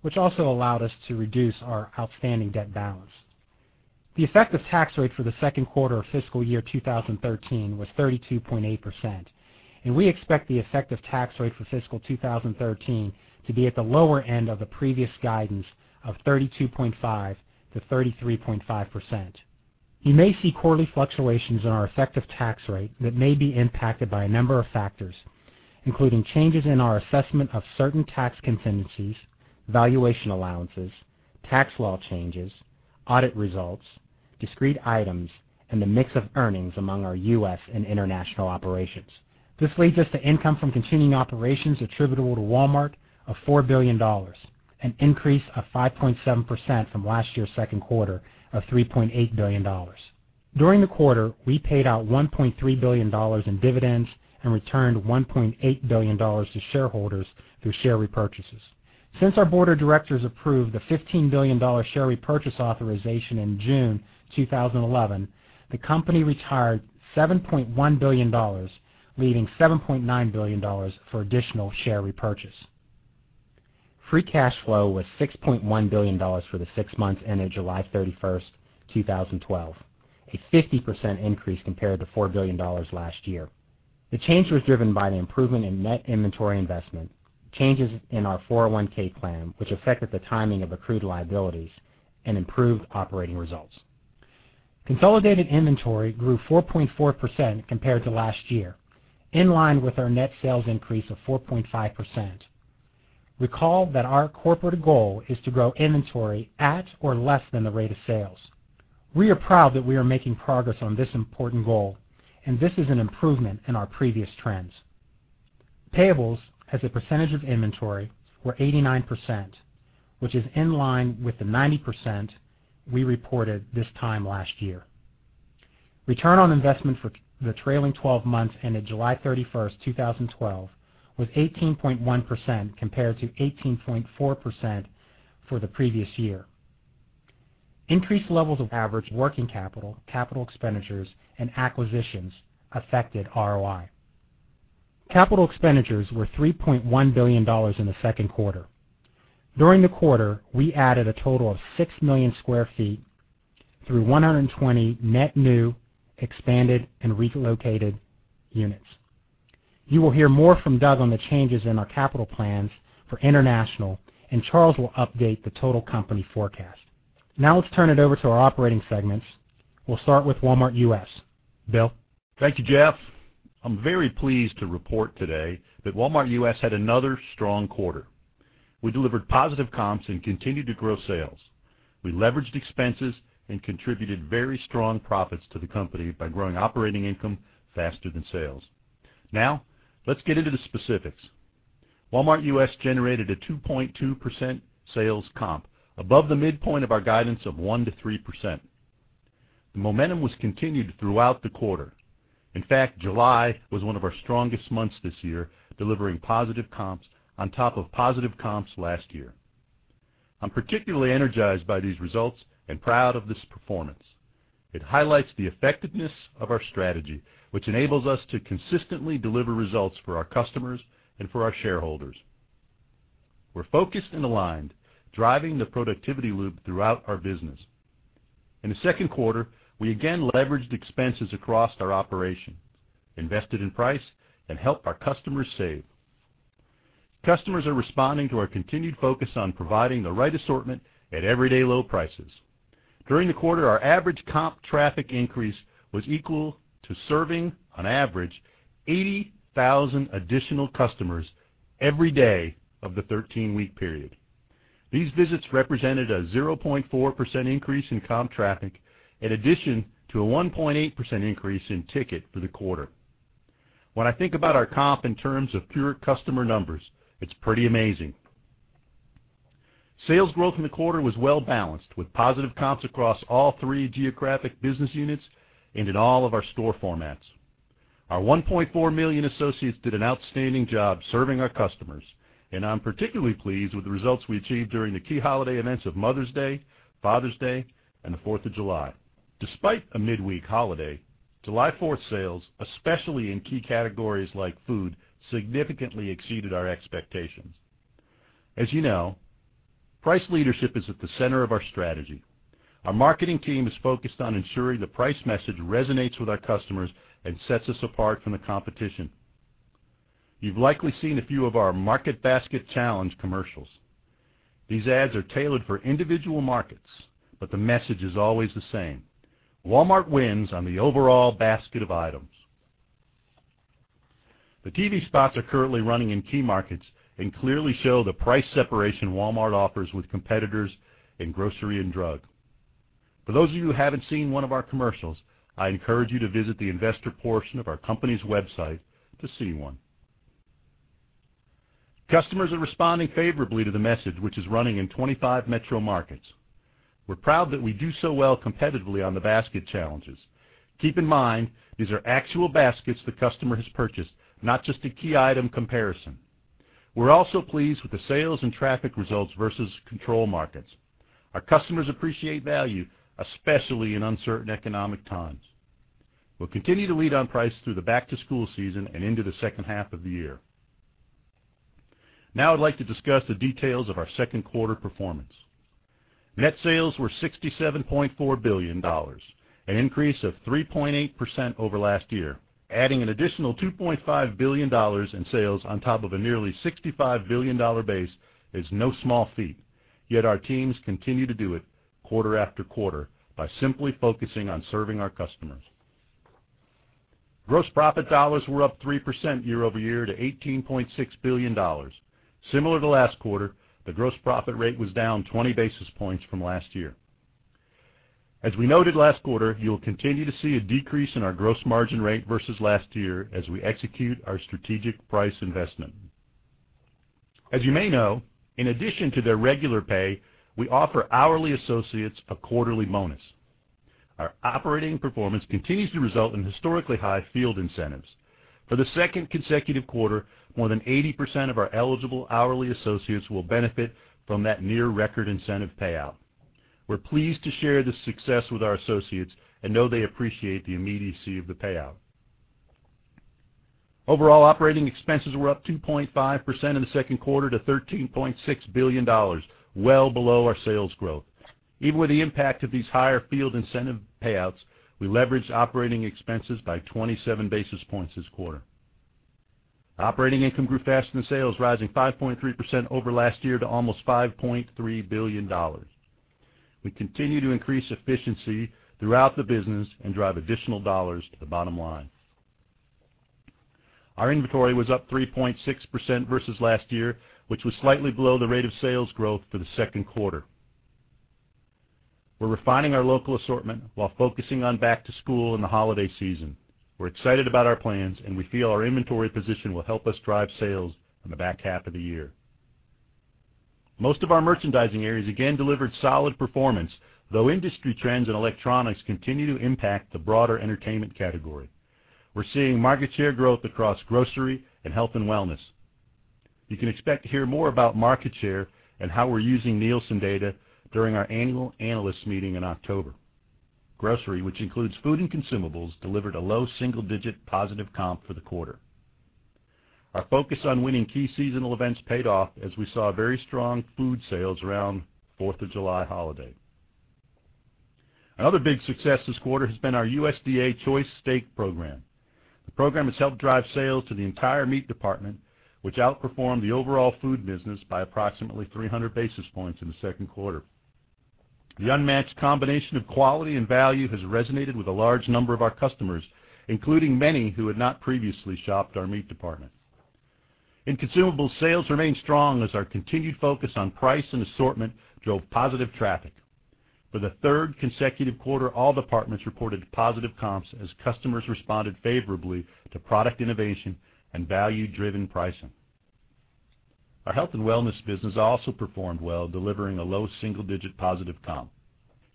which also allowed us to reduce our outstanding debt balance. The effective tax rate for the second quarter of fiscal year 2013 was 32.8%, and we expect the effective tax rate for fiscal 2013 to be at the lower end of the previous guidance of 32.5%-33.5%. You may see quarterly fluctuations in our effective tax rate that may be impacted by a number of factors, including changes in our assessment of certain tax contingencies, valuation allowances, tax law changes, audit results, discrete items, and the mix of earnings among our U.S. and international operations. This leads us to income from continuing operations attributable to Walmart of $4 billion, an increase of 5.7% from last year's second quarter of $3.8 billion. During the quarter, we paid out $1.3 billion in dividends and returned $1.8 billion to shareholders through share repurchases. Since our board of directors approved the $15 billion share repurchase authorization in June 2011, the company retired $7.1 billion, leaving $7.9 billion for additional share repurchase. Free cash flow was $6.1 billion for the six months ended July 31, 2012, a 50% increase compared to $4 billion last year. The change was driven by the improvement in net inventory investment, changes in our 401 plan, which affected the timing of accrued liabilities, and improved operating results. Consolidated inventory grew 4.4% compared to last year, in line with our net sales increase of 4.5%. Recall that our corporate goal is to grow inventory at or less than the rate of sales. We are proud that we are making progress on this important goal, and this is an improvement in our previous trends. Payables as a percentage of inventory were 89%, which is in line with the 90% we reported this time last year. Return on investment for the trailing 12 months ended July 31, 2012, was 18.1% compared to 18.4% for the previous year. Increased levels of average working capital expenditures, and acquisitions affected ROI. Capital expenditures were $3.1 billion in the second quarter. During the quarter, we added a total of 6 million sq ft through 120 net new, expanded, and relocated units. You will hear more from Doug on the changes in our capital plans for international, and Charles will update the total company forecast. Now let's turn it over to our operating segments. We'll start with Walmart U.S. Bill? Thank you, Jeff. I'm very pleased to report today that Walmart U.S. had another strong quarter. We delivered positive comps and continued to grow sales. We leveraged expenses and contributed very strong profits to the company by growing operating income faster than sales. Now let's get into the specifics. Walmart U.S. generated a 2.2% sales comp above the midpoint of our guidance of 1%-3%. The momentum was continued throughout the quarter. In fact, July was one of our strongest months this year, delivering positive comps on top of positive comps last year. I'm particularly energized by these results and proud of this performance. It highlights the effectiveness of our strategy, which enables us to consistently deliver results for our customers and for our shareholders. We're focused and aligned, driving the productivity loop throughout our business. In the second quarter, we again leveraged expenses across our operation, invested in price, and helped our customers save. Customers are responding to our continued focus on providing the right assortment at everyday low prices. During the quarter, our average comp traffic increase was equal to serving, on average, 80,000 additional customers every day of the 13-week period. These visits represented a 0.4% increase in comp traffic, in addition to a 1.8% increase in ticket for the quarter. When I think about our comp in terms of pure customer numbers, it's pretty amazing. Sales growth in the quarter was well-balanced, with positive comps across all three geographic business units and in all of our store formats. Our 1.4 million associates did an outstanding job serving our customers, and I'm particularly pleased with the results we achieved during the key holiday events of Mother's Day, Father's Day, and the Fourth of July. Despite a midweek holiday, July 4th sales, especially in key categories like food, significantly exceeded our expectations. As you know, price leadership is at the center of our strategy. Our marketing team is focused on ensuring the price message resonates with our customers and sets us apart from the competition. You've likely seen a few of our Market Basket Challenge commercials. These ads are tailored for individual markets, but the message is always the same. Walmart wins on the overall basket of items. The TV spots are currently running in key markets and clearly show the price separation Walmart offers with competitors in grocery and drug. For those of you who haven't seen one of our commercials, I encourage you to visit the investor portion of our company's website to see one. Customers are responding favorably to the message, which is running in 25 metro markets. We're proud that we do so well competitively on the basket challenges. Keep in mind, these are actual baskets the customer has purchased, not just a key item comparison. We're also pleased with the sales and traffic results versus control markets. We'll continue to lead on price through the back-to-school season and into the second half of the year. I'd like to discuss the details of our second quarter performance. Net sales were $67.4 billion, an increase of 3.8% over last year. Adding an additional $2.5 billion in sales on top of a nearly $65 billion base is no small feat. Our teams continue to do it quarter after quarter by simply focusing on serving our customers. Gross profit dollars were up 3% year-over-year to $18.6 billion. Similar to last quarter, the gross profit rate was down 20 basis points from last year. As we noted last quarter, you'll continue to see a decrease in our gross margin rate versus last year as we execute our strategic price investment. As you may know, in addition to their regular pay, we offer hourly associates a quarterly bonus. Our operating performance continues to result in historically high field incentives. For the second consecutive quarter, more than 80% of our eligible hourly associates will benefit from that near-record incentive payout. We're pleased to share this success with our associates and know they appreciate the immediacy of the payout. Overall operating expenses were up 2.5% in the second quarter to $13.6 billion, well below our sales growth. Even with the impact of these higher field incentive payouts, we leveraged operating expenses by 27 basis points this quarter. Operating income grew faster than sales, rising 5.3% over last year to almost $5.3 billion. We continue to increase efficiency throughout the business and drive additional dollars to the bottom line. Our inventory was up 3.6% versus last year, which was slightly below the rate of sales growth for the second quarter. We're refining our local assortment while focusing on back to school and the holiday season. We're excited about our plans and we feel our inventory position will help us drive sales in the back half of the year. Most of our merchandising areas again delivered solid performance, though industry trends in electronics continue to impact the broader entertainment category. We're seeing market share growth across grocery and health and wellness. You can expect to hear more about market share and how we're using Nielsen data during our annual analyst meeting in October. Grocery, which includes food and consumables, delivered a low single-digit positive comp for the quarter. Our focus on winning key seasonal events paid off as we saw very strong food sales around Fourth of July holiday. Another big success this quarter has been our USDA Choice steak program. The program has helped drive sales to the entire meat department, which outperformed the overall food business by approximately 300 basis points in the second quarter. The unmatched combination of quality and value has resonated with a large number of our customers, including many who had not previously shopped our meat department. In consumables, sales remained strong as our continued focus on price and assortment drove positive traffic. For the third consecutive quarter, all departments reported positive comps as customers responded favorably to product innovation and value-driven pricing. Our health and wellness business also performed well, delivering a low single-digit positive comp.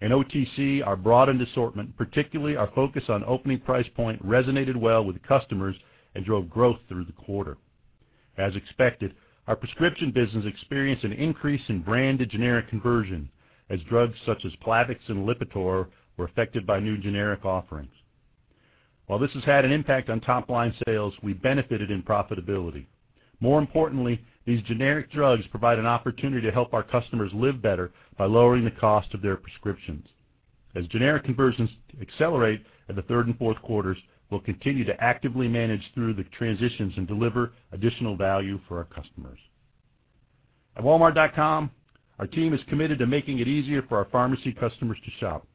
In OTC, our broadened assortment, particularly our focus on opening price point, resonated well with customers and drove growth through the quarter. As expected, our prescription business experienced an increase in brand-to-generic conversion as drugs such as Plavix and Lipitor were affected by new generic offerings. While this has had an impact on top-line sales, we benefited in profitability. More importantly, these generic drugs provide an opportunity to help our customers live better by lowering the cost of their prescriptions. As generic conversions accelerate in the third and fourth quarters, we'll continue to actively manage through the transitions and deliver additional value for our customers. At walmart.com, our team is committed to making it easier for our pharmacy customers to shop.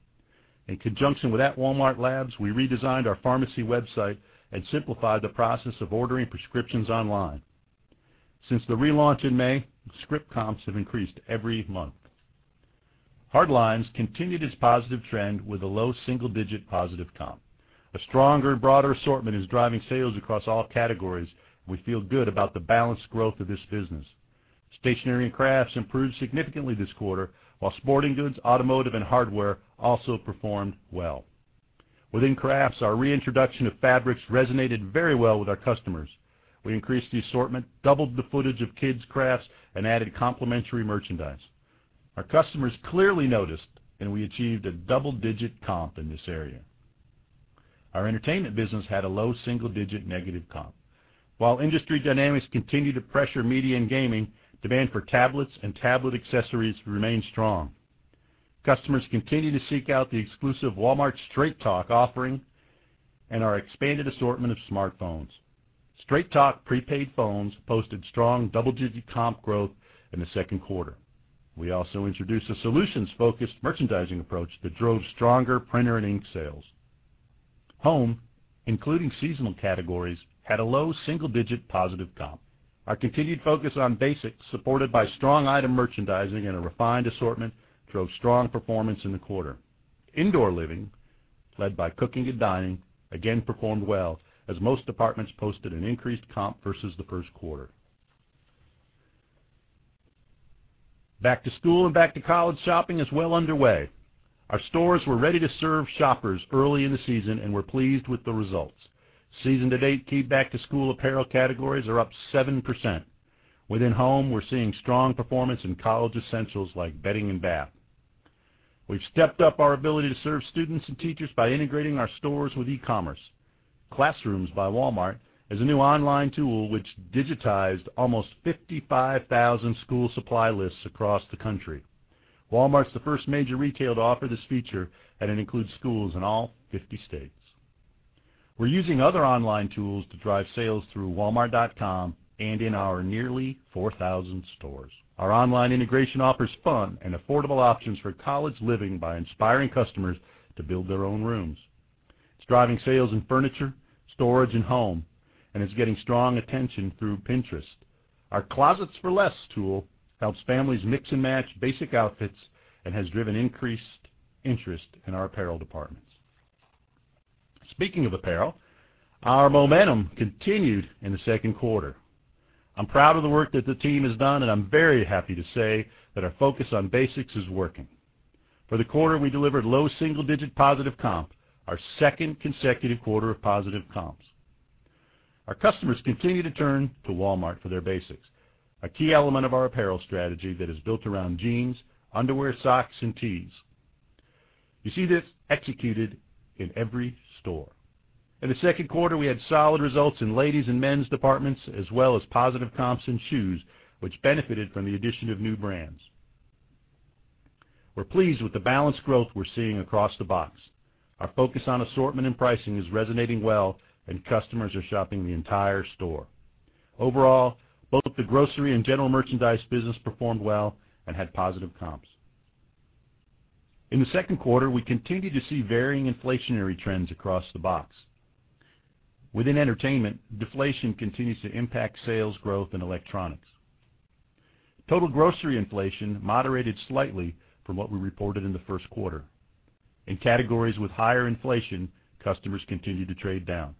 In conjunction with @Walmart Labs, we redesigned our pharmacy website and simplified the process of ordering prescriptions online. Since the relaunch in May, script comps have increased every month. Hard lines continued its positive trend with a low single-digit positive comp. A stronger, broader assortment is driving sales across all categories. We feel good about the balanced growth of this business. Stationery and crafts improved significantly this quarter, while sporting goods, automotive, and hardware also performed well. Within crafts, our reintroduction of fabrics resonated very well with our customers. We increased the assortment, doubled the footage of kids' crafts, and added complimentary merchandise. Our customers clearly noticed, and we achieved a double-digit comp in this area. Our entertainment business had a low single-digit negative comp. While industry dynamics continue to pressure media and gaming, demand for tablets and tablet accessories remain strong. Customers continue to seek out the exclusive Walmart Straight Talk offering and our expanded assortment of smartphones. Straight Talk prepaid phones posted strong double-digit comp growth in the second quarter. We also introduced a solutions-focused merchandising approach that drove stronger printer and ink sales. Home, including seasonal categories, had a low single-digit positive comp. Our continued focus on basics, supported by strong item merchandising and a refined assortment, drove strong performance in the quarter. Indoor living, led by cooking and dining, again performed well as most departments posted an increased comp versus the first quarter. Back to school and back to college shopping is well underway. Our stores were ready to serve shoppers early in the season, and we're pleased with the results. Season to date, key back-to-school apparel categories are up 7%. Within home, we're seeing strong performance in college essentials like bedding and bath. We've stepped up our ability to serve students and teachers by integrating our stores with e-commerce. Classrooms by Walmart is a new online tool which digitized almost 55,000 school supply lists across the country. Walmart's the first major retailer to offer this feature, and it includes schools in all 50 states. We're using other online tools to drive sales through walmart.com and in our nearly 4,000 stores. Our online integration offers fun and affordable options for college living by inspiring customers to build their own rooms. It's driving sales in furniture, storage, and home and is getting strong attention through Pinterest. Our Closets for Less tool helps families mix and match basic outfits and has driven increased interest in our apparel departments. Speaking of apparel, our momentum continued in the second quarter. I'm proud of the work that the team has done, and I'm very happy to say that our focus on basics is working. For the quarter, we delivered low single-digit positive comp, our second consecutive quarter of positive comps. Our customers continue to turn to Walmart for their basics, a key element of our apparel strategy that is built around jeans, underwear, socks, and tees. You see this executed in every store. In the second quarter, we had solid results in ladies and men's departments, as well as positive comps in shoes, which benefited from the addition of new brands. We're pleased with the balanced growth we're seeing across the box. Our focus on assortment and pricing is resonating well, and customers are shopping the entire store. Overall, both the grocery and general merchandise business performed well and had positive comps. In the second quarter, we continued to see varying inflationary trends across the box. Within entertainment, deflation continues to impact sales growth and electronics. Total grocery inflation moderated slightly from what we reported in the first quarter. In categories with higher inflation, customers continued to trade down.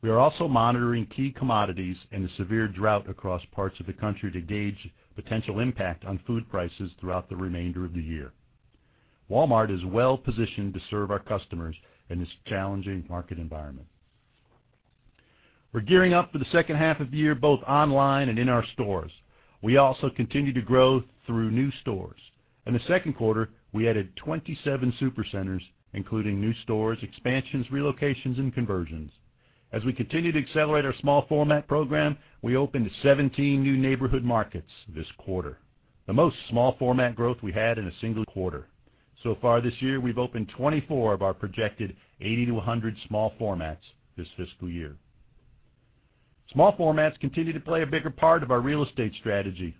We are also monitoring key commodities and the severe drought across parts of the country to gauge potential impact on food prices throughout the remainder of the year. Walmart is well-positioned to serve our customers in this challenging market environment. We're gearing up for the second half of the year, both online and in our stores. We also continue to grow through new stores. In the second quarter, we added 27 Supercenters, including new stores, expansions, relocations, and conversions. We continue to accelerate our small format program. We opened 17 new Neighborhood Markets this quarter, the most small format growth we had in a single quarter. So far this year, we've opened 24 of our projected 80 to 100 small formats this fiscal year. Small formats continue to play a bigger part of our real estate strategy.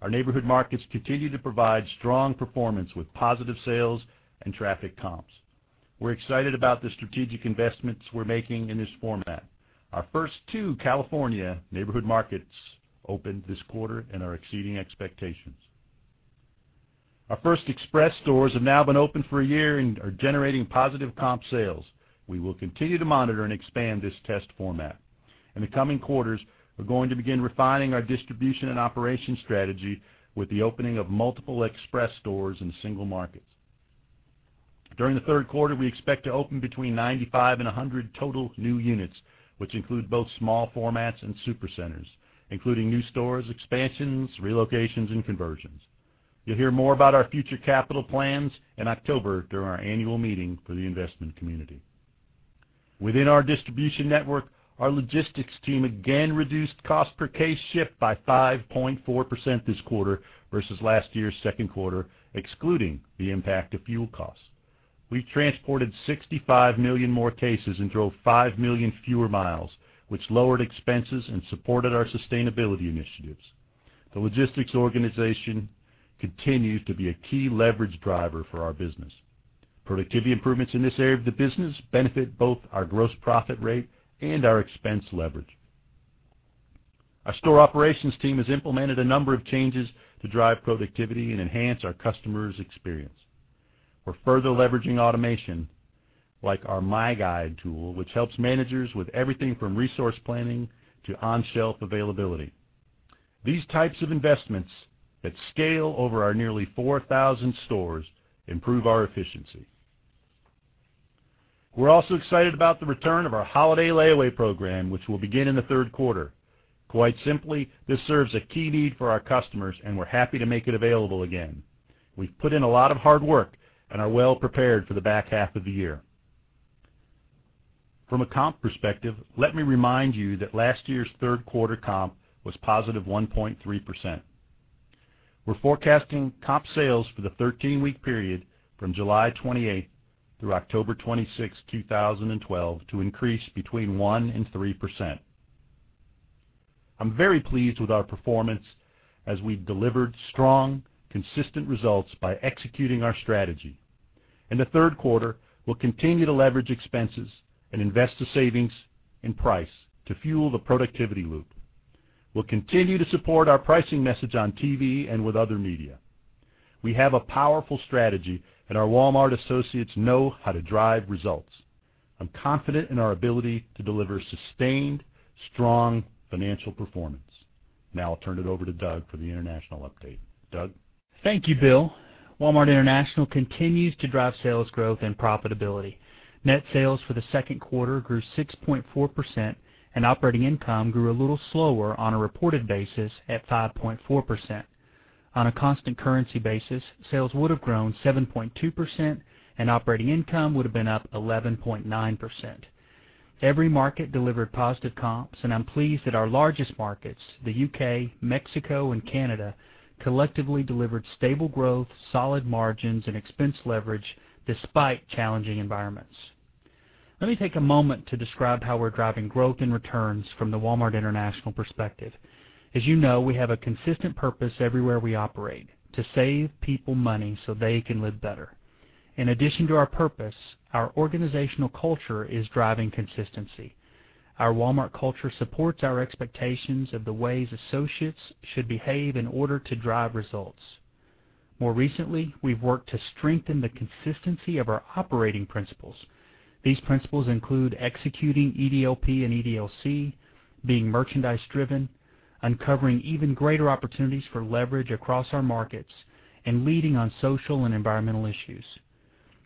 Our Neighborhood Markets continue to provide strong performance with positive sales and traffic comps. We're excited about the strategic investments we're making in this format. Our first two California Neighborhood Markets opened this quarter and are exceeding expectations. Our first Express stores have now been open for a year and are generating positive comp sales. We will continue to monitor and expand this test format. In the coming quarters, we're going to begin refining our distribution and operation strategy with the opening of multiple Express stores in single markets. During the third quarter, we expect to open between 95 and 100 total new units, which include both small formats and Supercenters, including new stores, expansions, relocations, and conversions. You'll hear more about our future capital plans in October during our annual meeting for the investment community. Within our distribution network, our logistics team again reduced cost per case shipped by 5.4% this quarter versus last year's second quarter, excluding the impact of fuel costs. We transported 65 million more cases and drove five million fewer miles, which lowered expenses and supported our sustainability initiatives. The logistics organization continues to be a key leverage driver for our business. Productivity improvements in this area of the business benefit both our gross profit rate and our expense leverage. Our store operations team has implemented a number of changes to drive productivity and enhance our customers' experience. We're further leveraging automation like our My Guide tool, which helps managers with everything from resource planning to on-shelf availability. These types of investments that scale over our nearly 4,000 stores improve our efficiency. We're also excited about the return of our holiday layaway program, which will begin in the third quarter. Quite simply, this serves a key need for our customers. We're happy to make it available again. We've put in a lot of hard work and are well prepared for the back half of the year. From a comp perspective, let me remind you that last year's third quarter comp was positive 1.3%. We're forecasting comp sales for the 13-week period from July 28th through October 26, 2012, to increase between 1% and 3%. I'm very pleased with our performance as we've delivered strong, consistent results by executing our strategy. In the third quarter, we'll continue to leverage expenses and invest the savings in price to fuel the productivity loop. We'll continue to support our pricing message on TV and with other media. We have a powerful strategy. Our Walmart associates know how to drive results. I'm confident in our ability to deliver sustained, strong financial performance. Now I'll turn it over to Doug for the international update. Doug? Thank you, Bill. Walmart International continues to drive sales growth and profitability. Net sales for the second quarter grew 6.4%, and operating income grew a little slower on a reported basis at 5.4%. On a constant currency basis, sales would have grown 7.2%, and operating income would have been up 11.9%. Every market delivered positive comps, I'm pleased that our largest markets, the U.K., Mexico, and Canada, collectively delivered stable growth, solid margins, and expense leverage despite challenging environments. Let me take a moment to describe how we're driving growth and returns from the Walmart International perspective. As you know, we have a consistent purpose everywhere we operate, to save people money so they can live better. In addition to our purpose, our organizational culture is driving consistency. Our Walmart culture supports our expectations of the ways associates should behave in order to drive results. More recently, we've worked to strengthen the consistency of our operating principles. These principles include executing EDLP and EDLC, being merchandise-driven, uncovering even greater opportunities for leverage across our markets, and leading on social and environmental issues.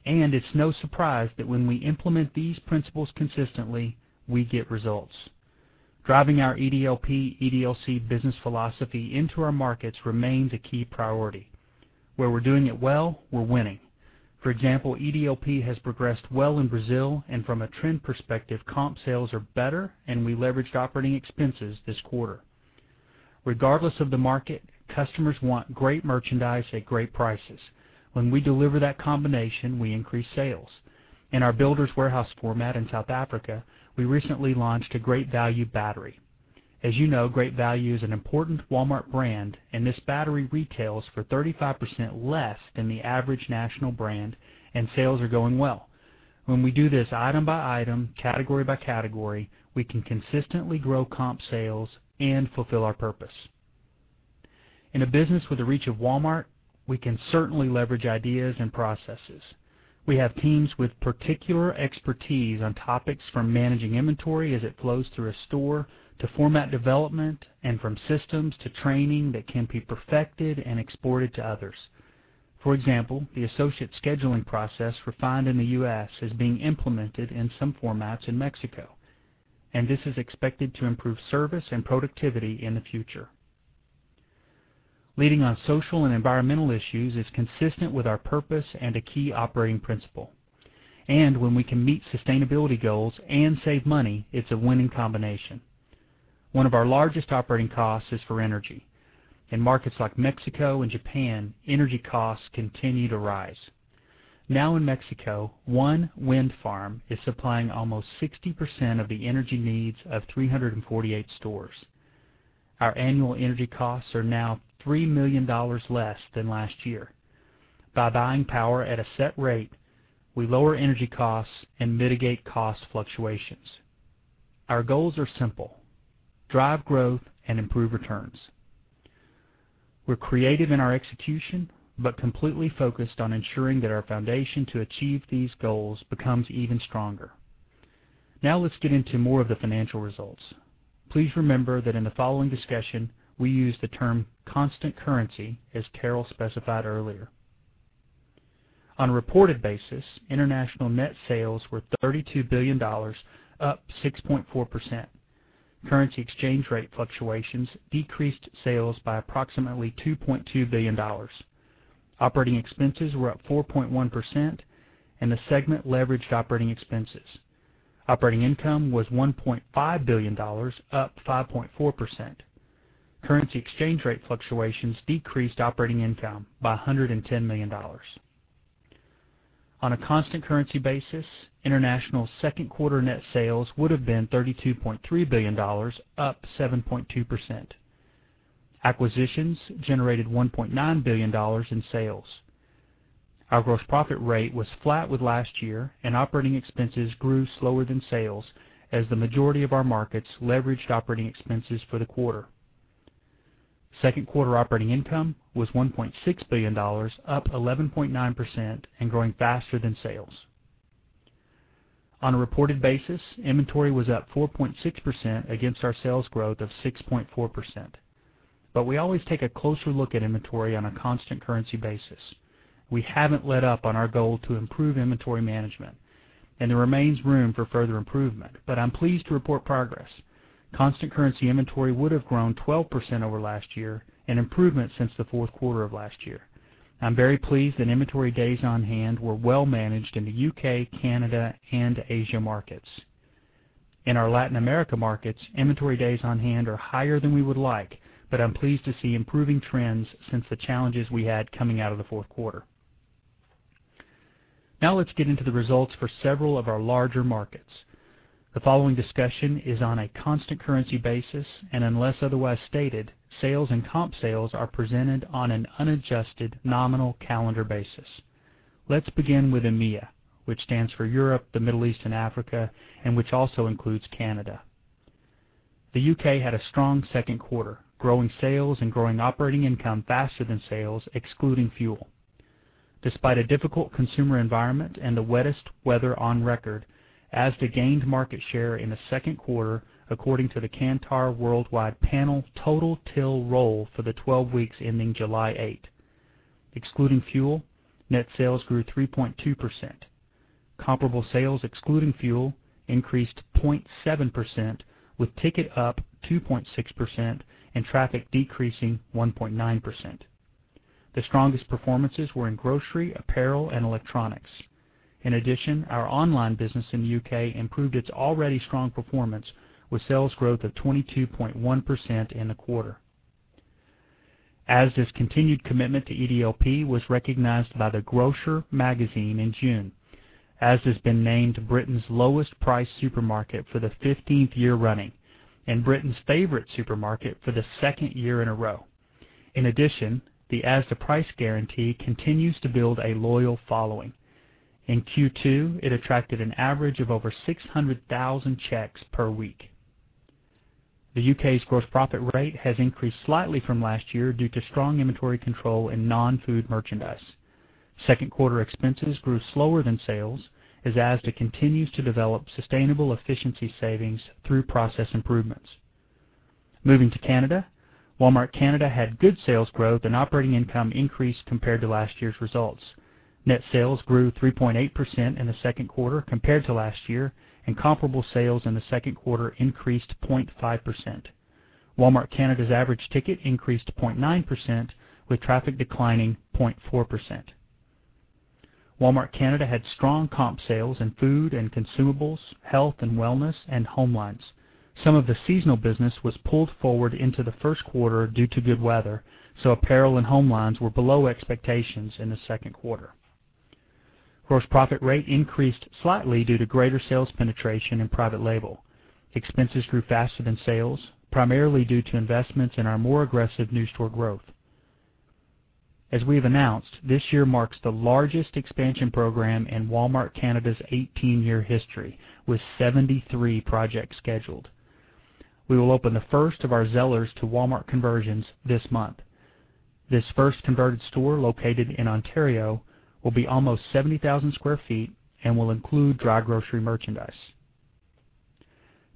It's no surprise that when we implement these principles consistently, we get results. Driving our EDLP, EDLC business philosophy into our markets remains a key priority. Where we're doing it well, we're winning. For example, EDLP has progressed well in Brazil, and from a trend perspective, comp sales are better, and we leveraged operating expenses this quarter. Regardless of the market, customers want great merchandise at great prices. When we deliver that combination, we increase sales. In our Builders Warehouse format in South Africa, we recently launched a Great Value battery. As you know, Great Value is an important Walmart brand, and this battery retails for 35% less than the average national brand, and sales are going well. When we do this item by item, category by category, we can consistently grow comp sales and fulfill our purpose. In a business with the reach of Walmart, we can certainly leverage ideas and processes. We have teams with particular expertise on topics from managing inventory as it flows through a store to format development, and from systems to training that can be perfected and exported to others. For example, the associate scheduling process refined in the U.S. is being implemented in some formats in Mexico, and this is expected to improve service and productivity in the future. Leading on social and environmental issues is consistent with our purpose and a key operating principle. When we can meet sustainability goals and save money, it's a winning combination. One of our largest operating costs is for energy. In markets like Mexico and Japan, energy costs continue to rise. Now in Mexico, one wind farm is supplying almost 60% of the energy needs of 348 stores. Our annual energy costs are now $3 million less than last year. By buying power at a set rate, we lower energy costs and mitigate cost fluctuations. Our goals are simple, drive growth and improve returns. We're creative in our execution, but completely focused on ensuring that our foundation to achieve these goals becomes even stronger. Now let's get into more of the financial results. Please remember that in the following discussion, we use the term constant currency, as Carol specified earlier. On a reported basis, international net sales were $32 billion, up 6.4%. Currency exchange rate fluctuations decreased sales by approximately $2.2 billion. Operating expenses were up 4.1%, and the segment leveraged operating expenses. Operating income was $1.5 billion, up 5.4%. Currency exchange rate fluctuations decreased operating income by $110 million. On a constant currency basis, Walmart International second quarter net sales would have been $32.3 billion, up 7.2%. Acquisitions generated $1.9 billion in sales. Our gross profit rate was flat with last year, and operating expenses grew slower than sales as the majority of our markets leveraged operating expenses for the quarter. Second quarter operating income was $1.6 billion, up 11.9% and growing faster than sales. On a reported basis, inventory was up 4.6% against our sales growth of 6.4%. We always take a closer look at inventory on a constant currency basis. We haven't let up on our goal to improve inventory management, and there remains room for further improvement, but I'm pleased to report progress. Constant currency inventory would have grown 12% over last year, an improvement since the fourth quarter of last year. I'm very pleased that inventory days on hand were well managed in the U.K., Canada, and Asia markets. In our Latin America markets, inventory days on hand are higher than we would like, but I'm pleased to see improving trends since the challenges we had coming out of the fourth quarter. Let's get into the results for several of our larger markets. The following discussion is on a constant currency basis, and unless otherwise stated, sales and comp sales are presented on an unadjusted nominal calendar basis. Let's begin with EMEA, which stands for Europe, the Middle East, and Africa, and which also includes Canada. The U.K. had a strong second quarter, growing sales and growing operating income faster than sales, excluding fuel. Despite a difficult consumer environment and the wettest weather on record, Asda gained market share in the second quarter according to the Kantar Worldwide panel total till roll for the 12 weeks ending July 8. Excluding fuel, net sales grew 3.2%. Comparable sales excluding fuel increased 0.7%, with ticket up 2.6% and traffic decreasing 1.9%. The strongest performances were in grocery, apparel, and electronics. In addition, our online business in the U.K. improved its already strong performance with sales growth of 22.1% in the quarter. Asda's continued commitment to EDLP was recognized by The Grocer magazine in June. Asda's been named Britain's lowest priced supermarket for the 15th year running and Britain's favorite supermarket for the second year in a row. In addition, the Asda Price Guarantee continues to build a loyal following. In Q2, it attracted an average of over 600,000 checks per week. The U.K.'s gross profit rate has increased slightly from last year due to strong inventory control in non-food merchandise. Second quarter expenses grew slower than sales as Asda continues to develop sustainable efficiency savings through process improvements. Moving to Canada. Walmart Canada had good sales growth and operating income increase compared to last year's results. Net sales grew 3.8% in the second quarter compared to last year, and comparable sales in the second quarter increased 0.5%. Walmart Canada's average ticket increased 0.9%, with traffic declining 0.4%. Walmart Canada had strong comp sales in food and consumables, health and wellness, and homelines. Some of the seasonal business was pulled forward into the first quarter due to good weather, apparel and homelines were below expectations in the second quarter. Gross profit rate increased slightly due to greater sales penetration in private label. Expenses grew faster than sales, primarily due to investments in our more aggressive new store growth. As we've announced, this year marks the largest expansion program in Walmart Canada's 18-year history, with 73 projects scheduled. We will open the first of our Zellers to Walmart conversions this month. This first converted store, located in Ontario, will be almost 70,000 sq ft and will include dry grocery merchandise.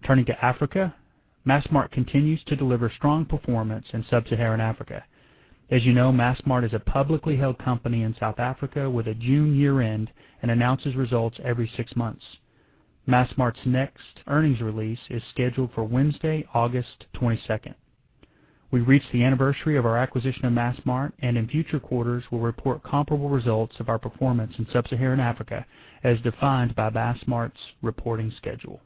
Turning to Africa, Massmart continues to deliver strong performance in Sub-Saharan Africa. As you know, Massmart is a publicly held company in South Africa with a June year-end and announces results every six months. Massmart's next earnings release is scheduled for Wednesday, August 22nd. We've reached the anniversary of our acquisition of Massmart, in future quarters, we'll report comparable results of our performance in Sub-Saharan Africa as defined by Massmart's reporting schedule.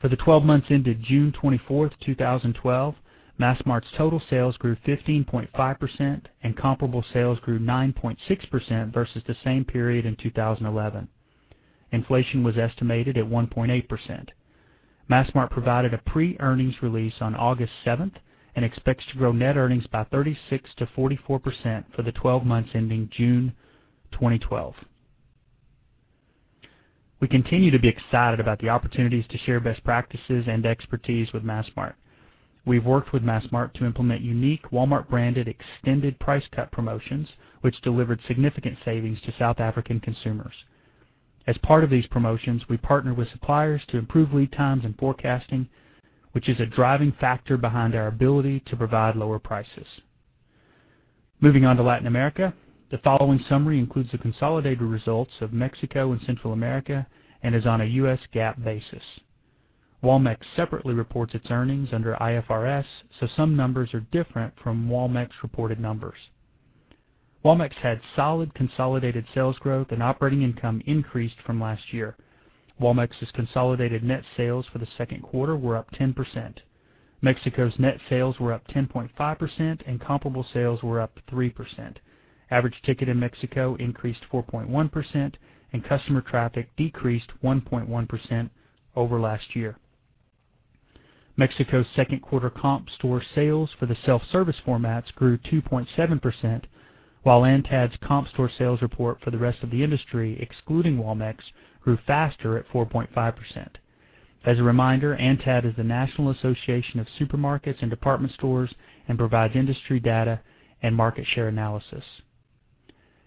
For the 12 months ended June 24th, 2012, Massmart's total sales grew 15.5% and comparable sales grew 9.6% versus the same period in 2011. Inflation was estimated at 1.8%. Massmart provided a pre-earnings release on August 7th and expects to grow net earnings by 36%-44% for the 12 months ending June 2012. We continue to be excited about the opportunities to share best practices and expertise with Massmart. We've worked with Massmart to implement unique Walmart-branded extended price cut promotions which delivered significant savings to South African consumers. As part of these promotions, we partner with suppliers to improve lead times and forecasting, which is a driving factor behind our ability to provide lower prices. Moving on to Latin America. The following summary includes the consolidated results of Mexico and Central America and is on a U.S. GAAP basis. Walmex separately reports its earnings under IFRS, some numbers are different from Walmex reported numbers. Walmex had solid consolidated sales growth and operating income increased from last year. Walmex's consolidated net sales for the second quarter were up 10%. Mexico's net sales were up 10.5% and comparable sales were up 3%. Average ticket in Mexico increased 4.1% and customer traffic decreased 1.1% over last year. Mexico's second quarter comp store sales for the self-service formats grew 2.7%, while ANTAD's comp store sales report for the rest of the industry, excluding Walmex, grew faster at 4.5%. As a reminder, ANTAD is the National Association of Supermarkets and Department Stores and provides industry data and market share analysis.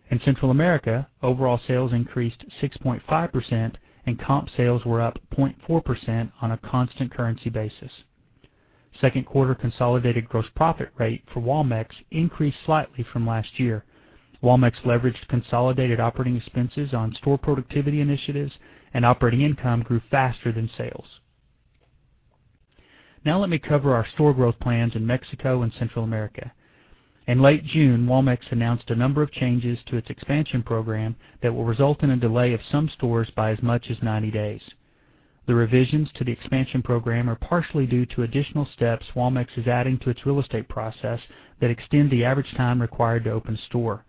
In Central America, overall sales increased 6.5% and comp sales were up 0.4% on a constant currency basis. Second quarter consolidated gross profit rate for Walmex increased slightly from last year. Walmex leveraged consolidated operating expenses on store productivity initiatives and operating income grew faster than sales. Let me cover our store growth plans in Mexico and Central America. In late June, Walmex announced a number of changes to its expansion program that will result in a delay of some stores by as much as 90 days. The revisions to the expansion program are partially due to additional steps Walmex is adding to its real estate process that extend the average time required to open a store.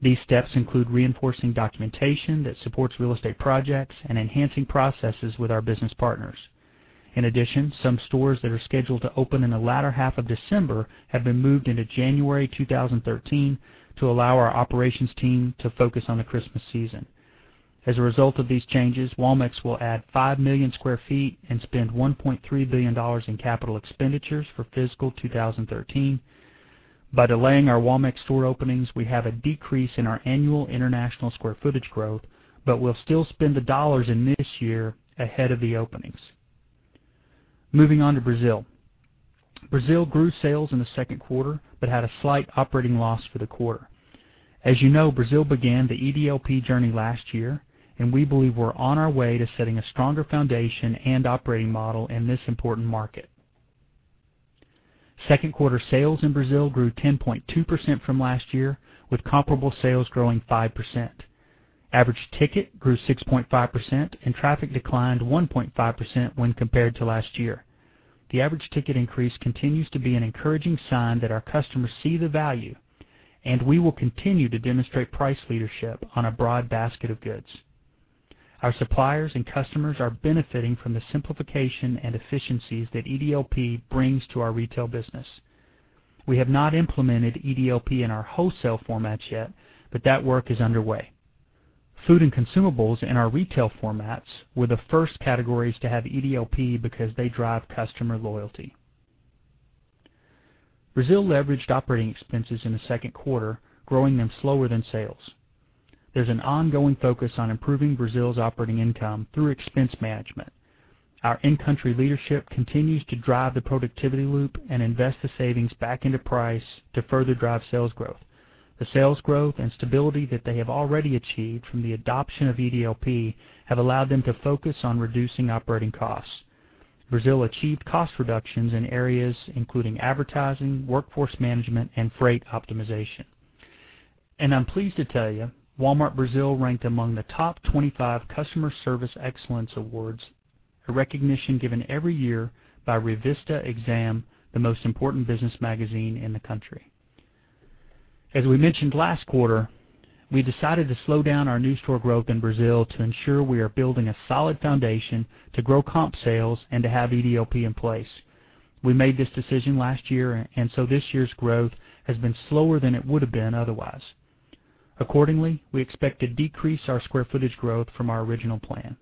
These steps include reinforcing documentation that supports real estate projects and enhancing processes with our business partners. In addition, some stores that are scheduled to open in the latter half of December have been moved into January 2013 to allow our operations team to focus on the Christmas season. As a result of these changes, Walmex will add 5 million sq ft and spend $1.3 billion in CapEx for FY 2013. By delaying our Walmex store openings, we have a decrease in our annual international square footage growth, but we'll still spend the dollars in this year ahead of the openings. Moving on to Brazil. Brazil grew sales in the second quarter but had a slight operating loss for the quarter. As you know, Brazil began the EDLP journey last year, we believe we're on our way to setting a stronger foundation and operating model in this important market. Second quarter sales in Brazil grew 10.2% from last year, with comparable sales growing 5%. Average ticket grew 6.5% and traffic declined 1.5% when compared to last year. The average ticket increase continues to be an encouraging sign that our customers see the value, we will continue to demonstrate price leadership on a broad basket of goods. Our suppliers and customers are benefiting from the simplification and efficiencies that EDLP brings to our retail business. We have not implemented EDLP in our wholesale formats yet, but that work is underway. Food and consumables in our retail formats were the first categories to have EDLP because they drive customer loyalty. Brazil leveraged operating expenses in the second quarter, growing them slower than sales. There's an ongoing focus on improving Brazil's operating income through expense management. Our in-country leadership continues to drive the productivity loop and invest the savings back into price to further drive sales growth. The sales growth and stability that they have already achieved from the adoption of EDLP have allowed them to focus on reducing operating costs. Brazil achieved cost reductions in areas including advertising, workforce management, and freight optimization. I'm pleased to tell you Walmart Brazil ranked among the top 25 Customer Service Excellence Awards, a recognition given every year by Revista Exame, the most important business magazine in the country. As we mentioned last quarter, we decided to slow down our new store growth in Brazil to ensure we are building a solid foundation to grow comp sales and to have EDLP in place. We made this decision last year, this year's growth has been slower than it would have been otherwise. Accordingly, we expect to decrease our square footage growth from our original plan.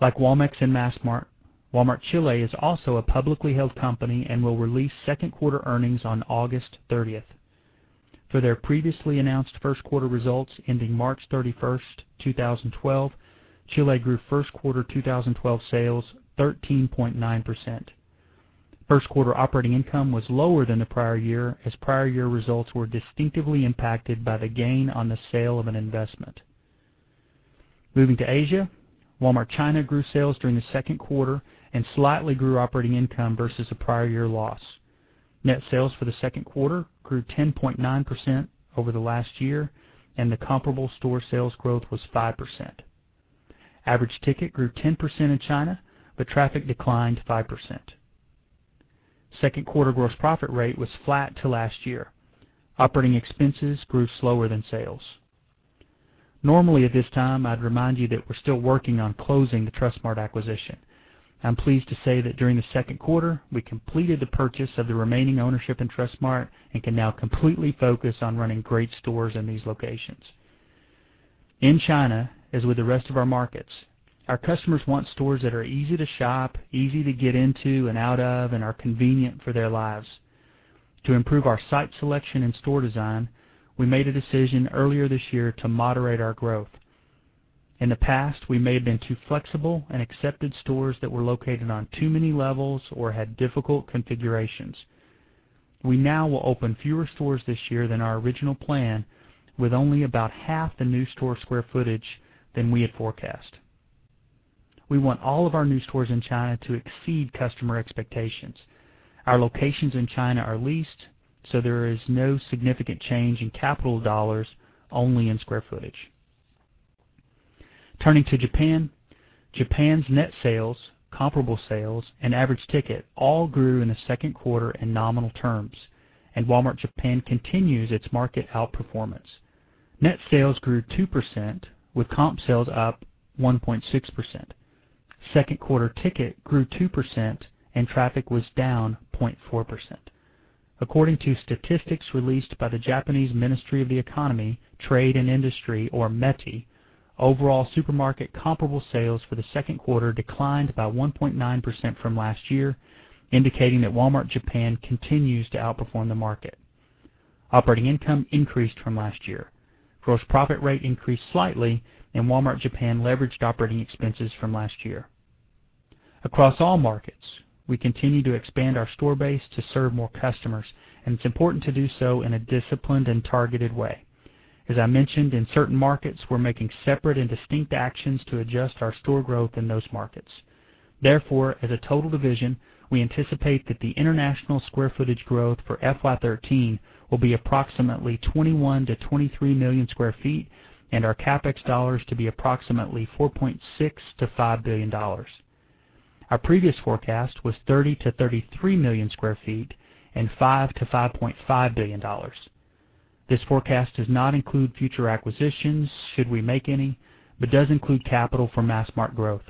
Like Walmex and Massmart, Walmart Chile is also a publicly held company and will release second quarter earnings on August 30th. For their previously announced first quarter results ending March 31st, 2012, Chile grew first quarter 2012 sales 13.9%. First quarter operating income was lower than the prior year, as prior year results were distinctively impacted by the gain on the sale of an investment. Moving to Asia, Walmart China grew sales during the second quarter slightly grew operating income versus the prior year loss. Net sales for the second quarter grew 10.9% over the last year, the comparable store sales growth was 5%. Average ticket grew 10% in China, traffic declined 5%. Second quarter gross profit rate was flat to last year. Operating expenses grew slower than sales. Normally at this time, I'd remind you that we're still working on closing the Trust-Mart acquisition. I'm pleased to say that during the second quarter, we completed the purchase of the remaining ownership in Trust-Mart and can now completely focus on running great stores in these locations. In China, as with the rest of our markets, our customers want stores that are easy to shop, easy to get into and out of, and are convenient for their lives. To improve our site selection and store design, we made a decision earlier this year to moderate our growth. In the past, we may have been too flexible and accepted stores that were located on too many levels or had difficult configurations. We now will open fewer stores this year than our original plan with only about half the new store square footage than we had forecast. We want all of our new stores in China to exceed customer expectations. Our locations in China are leased, there is no significant change in capital dollars, only in square footage. Turning to Japan. Japan's net sales, comparable sales, and average ticket all grew in the second quarter in nominal terms. Walmart Japan continues its market outperformance. Net sales grew 2%, with comp sales up 1.6%. Second quarter ticket grew 2% and traffic was down 0.4%. According to statistics released by the Japanese Ministry of Economy, Trade and Industry or METI, overall supermarket comparable sales for the second quarter declined by 1.9% from last year, indicating that Walmart Japan continues to outperform the market. Operating income increased from last year. Gross profit rate increased slightly. Walmart Japan leveraged operating expenses from last year. Across all markets, we continue to expand our store base to serve more customers. It's important to do so in a disciplined and targeted way. As I mentioned, in certain markets, we're making separate and distinct actions to adjust our store growth in those markets. Therefore, as a total division, we anticipate that the international square footage growth for FY 2013 will be approximately 21 million-23 million square feet and our CapEx dollars to be approximately $4.6 billion-$5 billion. Our previous forecast was 30 million-33 million square feet and $5 billion-$5.5 billion. This forecast does not include future acquisitions should we make any, does include capital for Massmart growth.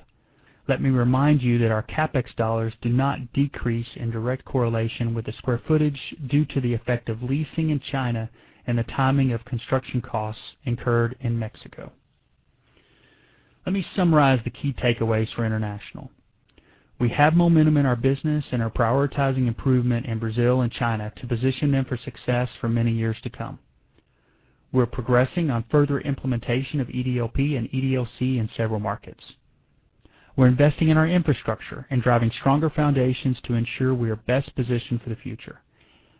Let me remind you that our CapEx dollars do not decrease in direct correlation with the square footage due to the effect of leasing in China and the timing of construction costs incurred in Mexico. Let me summarize the key takeaways for international. We have momentum in our business and are prioritizing improvement in Brazil and China to position them for success for many years to come. We're progressing on further implementation of EDLP and EDLC in several markets. We're investing in our infrastructure and driving stronger foundations to ensure we are best positioned for the future.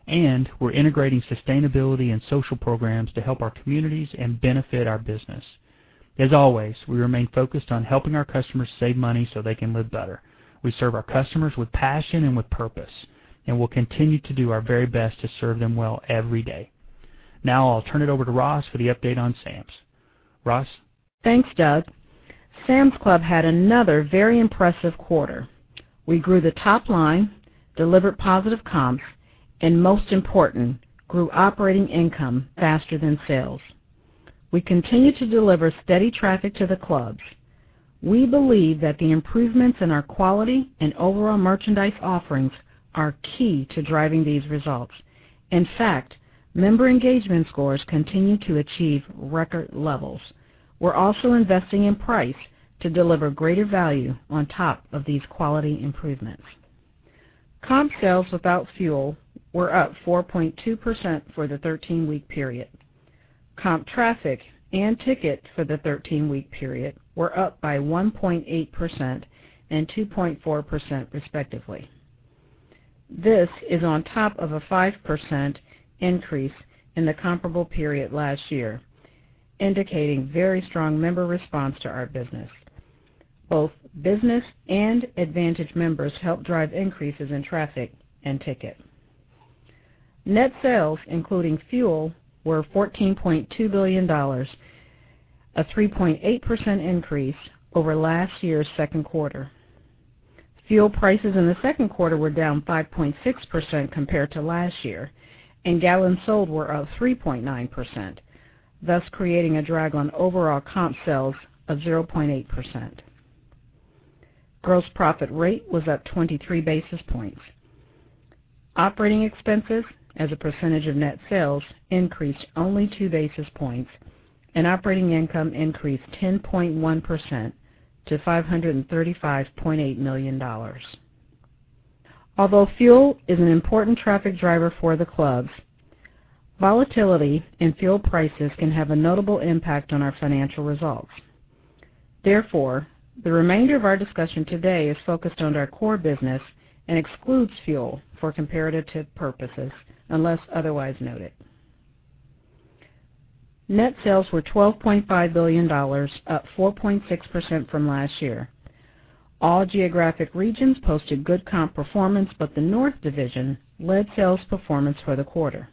We're integrating sustainability and social programs to help our communities and benefit our business. As always, we remain focused on helping our customers save money so they can live better. We serve our customers with passion and with purpose. We'll continue to do our very best to serve them well every day. Now, I'll turn it over to Roz for the update on Sam's. Roz? Thanks, Doug. Sam's Club had another very impressive quarter. We grew the top line, delivered positive comps. Most important, grew operating income faster than sales. We continue to deliver steady traffic to the clubs. We believe that the improvements in our quality and overall merchandise offerings are key to driving these results. In fact, member engagement scores continue to achieve record levels. We're also investing in price to deliver greater value on top of these quality improvements. Comp sales without fuel were up 4.2% for the 13-week period. Comp traffic and ticket for the 13-week period were up by 1.8% and 2.4%, respectively. This is on top of a 5% increase in the comparable period last year, indicating very strong member response to our business. Both business and advantage members helped drive increases in traffic and ticket. Net sales, including fuel, were $14.2 billion, a 3.8% increase over last year's second quarter. Fuel prices in the second quarter were down 5.6% compared to last year. Gallons sold were up 3.9%, thus creating a drag on overall comp sales of 0.8%. Gross profit rate was up 23 basis points. Operating expenses as a percentage of net sales increased only two basis points. Operating income increased 10.1% to $535.8 million. Although fuel is an important traffic driver for the clubs, volatility in fuel prices can have a notable impact on our financial results. The remainder of our discussion today is focused on our core business and excludes fuel for comparative purposes, unless otherwise noted. Net sales were $12.5 billion, up 4.6% from last year. All geographic regions posted good comp performance. The North division led sales performance for the quarter.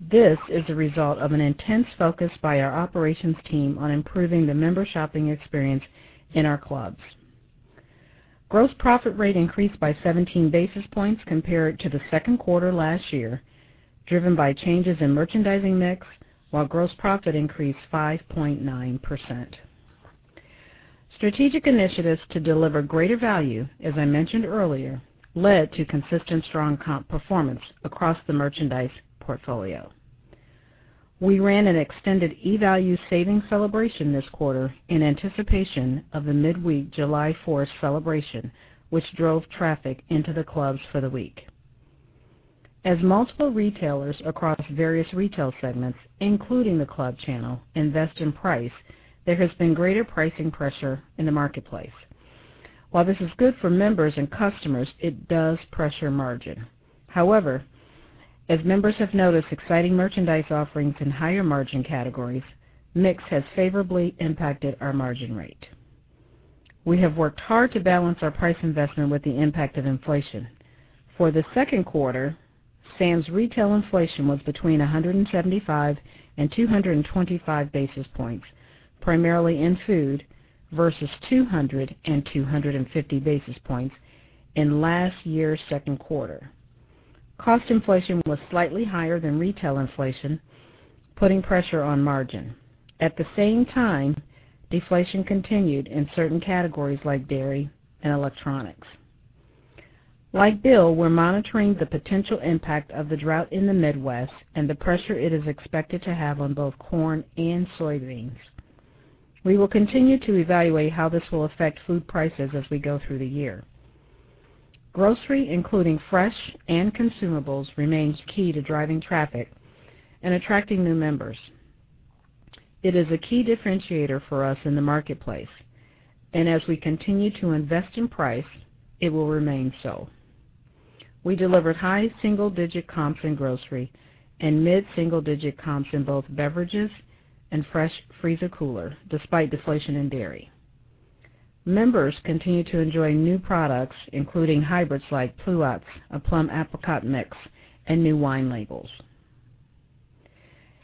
This is a result of an intense focus by our operations team on improving the member shopping experience in our clubs. Gross profit rate increased by 17 basis points compared to the second quarter last year, driven by changes in merchandising mix, while gross profit increased 5.9%. Strategic initiatives to deliver greater value, as I mentioned earlier, led to consistent strong comp performance across the merchandise portfolio. We ran an extended eValues Savings Celebration this quarter in anticipation of the midweek July 4th celebration, which drove traffic into the clubs for the week. Multiple retailers across various retail segments, including the club channel, invest in price. There has been greater pricing pressure in the marketplace. This is good for members and customers, it does pressure margin. As members have noticed exciting merchandise offerings in higher-margin categories, mix has favorably impacted our margin rate. We have worked hard to balance our price investment with the impact of inflation. For the second quarter, Sam's retail inflation was between 175 and 225 basis points, primarily in food, versus 200 and 250 basis points in last year's second quarter. Cost inflation was slightly higher than retail inflation, putting pressure on margin. At the same time, deflation continued in certain categories like dairy and electronics. Like Bill, we're monitoring the potential impact of the drought in the Midwest and the pressure it is expected to have on both corn and soybeans. We will continue to evaluate how this will affect food prices as we go through the year. Grocery, including fresh and consumables, remains key to driving traffic and attracting new members. It is a key differentiator for us in the marketplace. As we continue to invest in price, it will remain so. We delivered high single-digit comps in grocery and mid-single digit comps in both beverages and fresh freezer cooler, despite deflation in dairy. Members continue to enjoy new products, including hybrids like pluots, a plum-apricot mix, and new wine labels.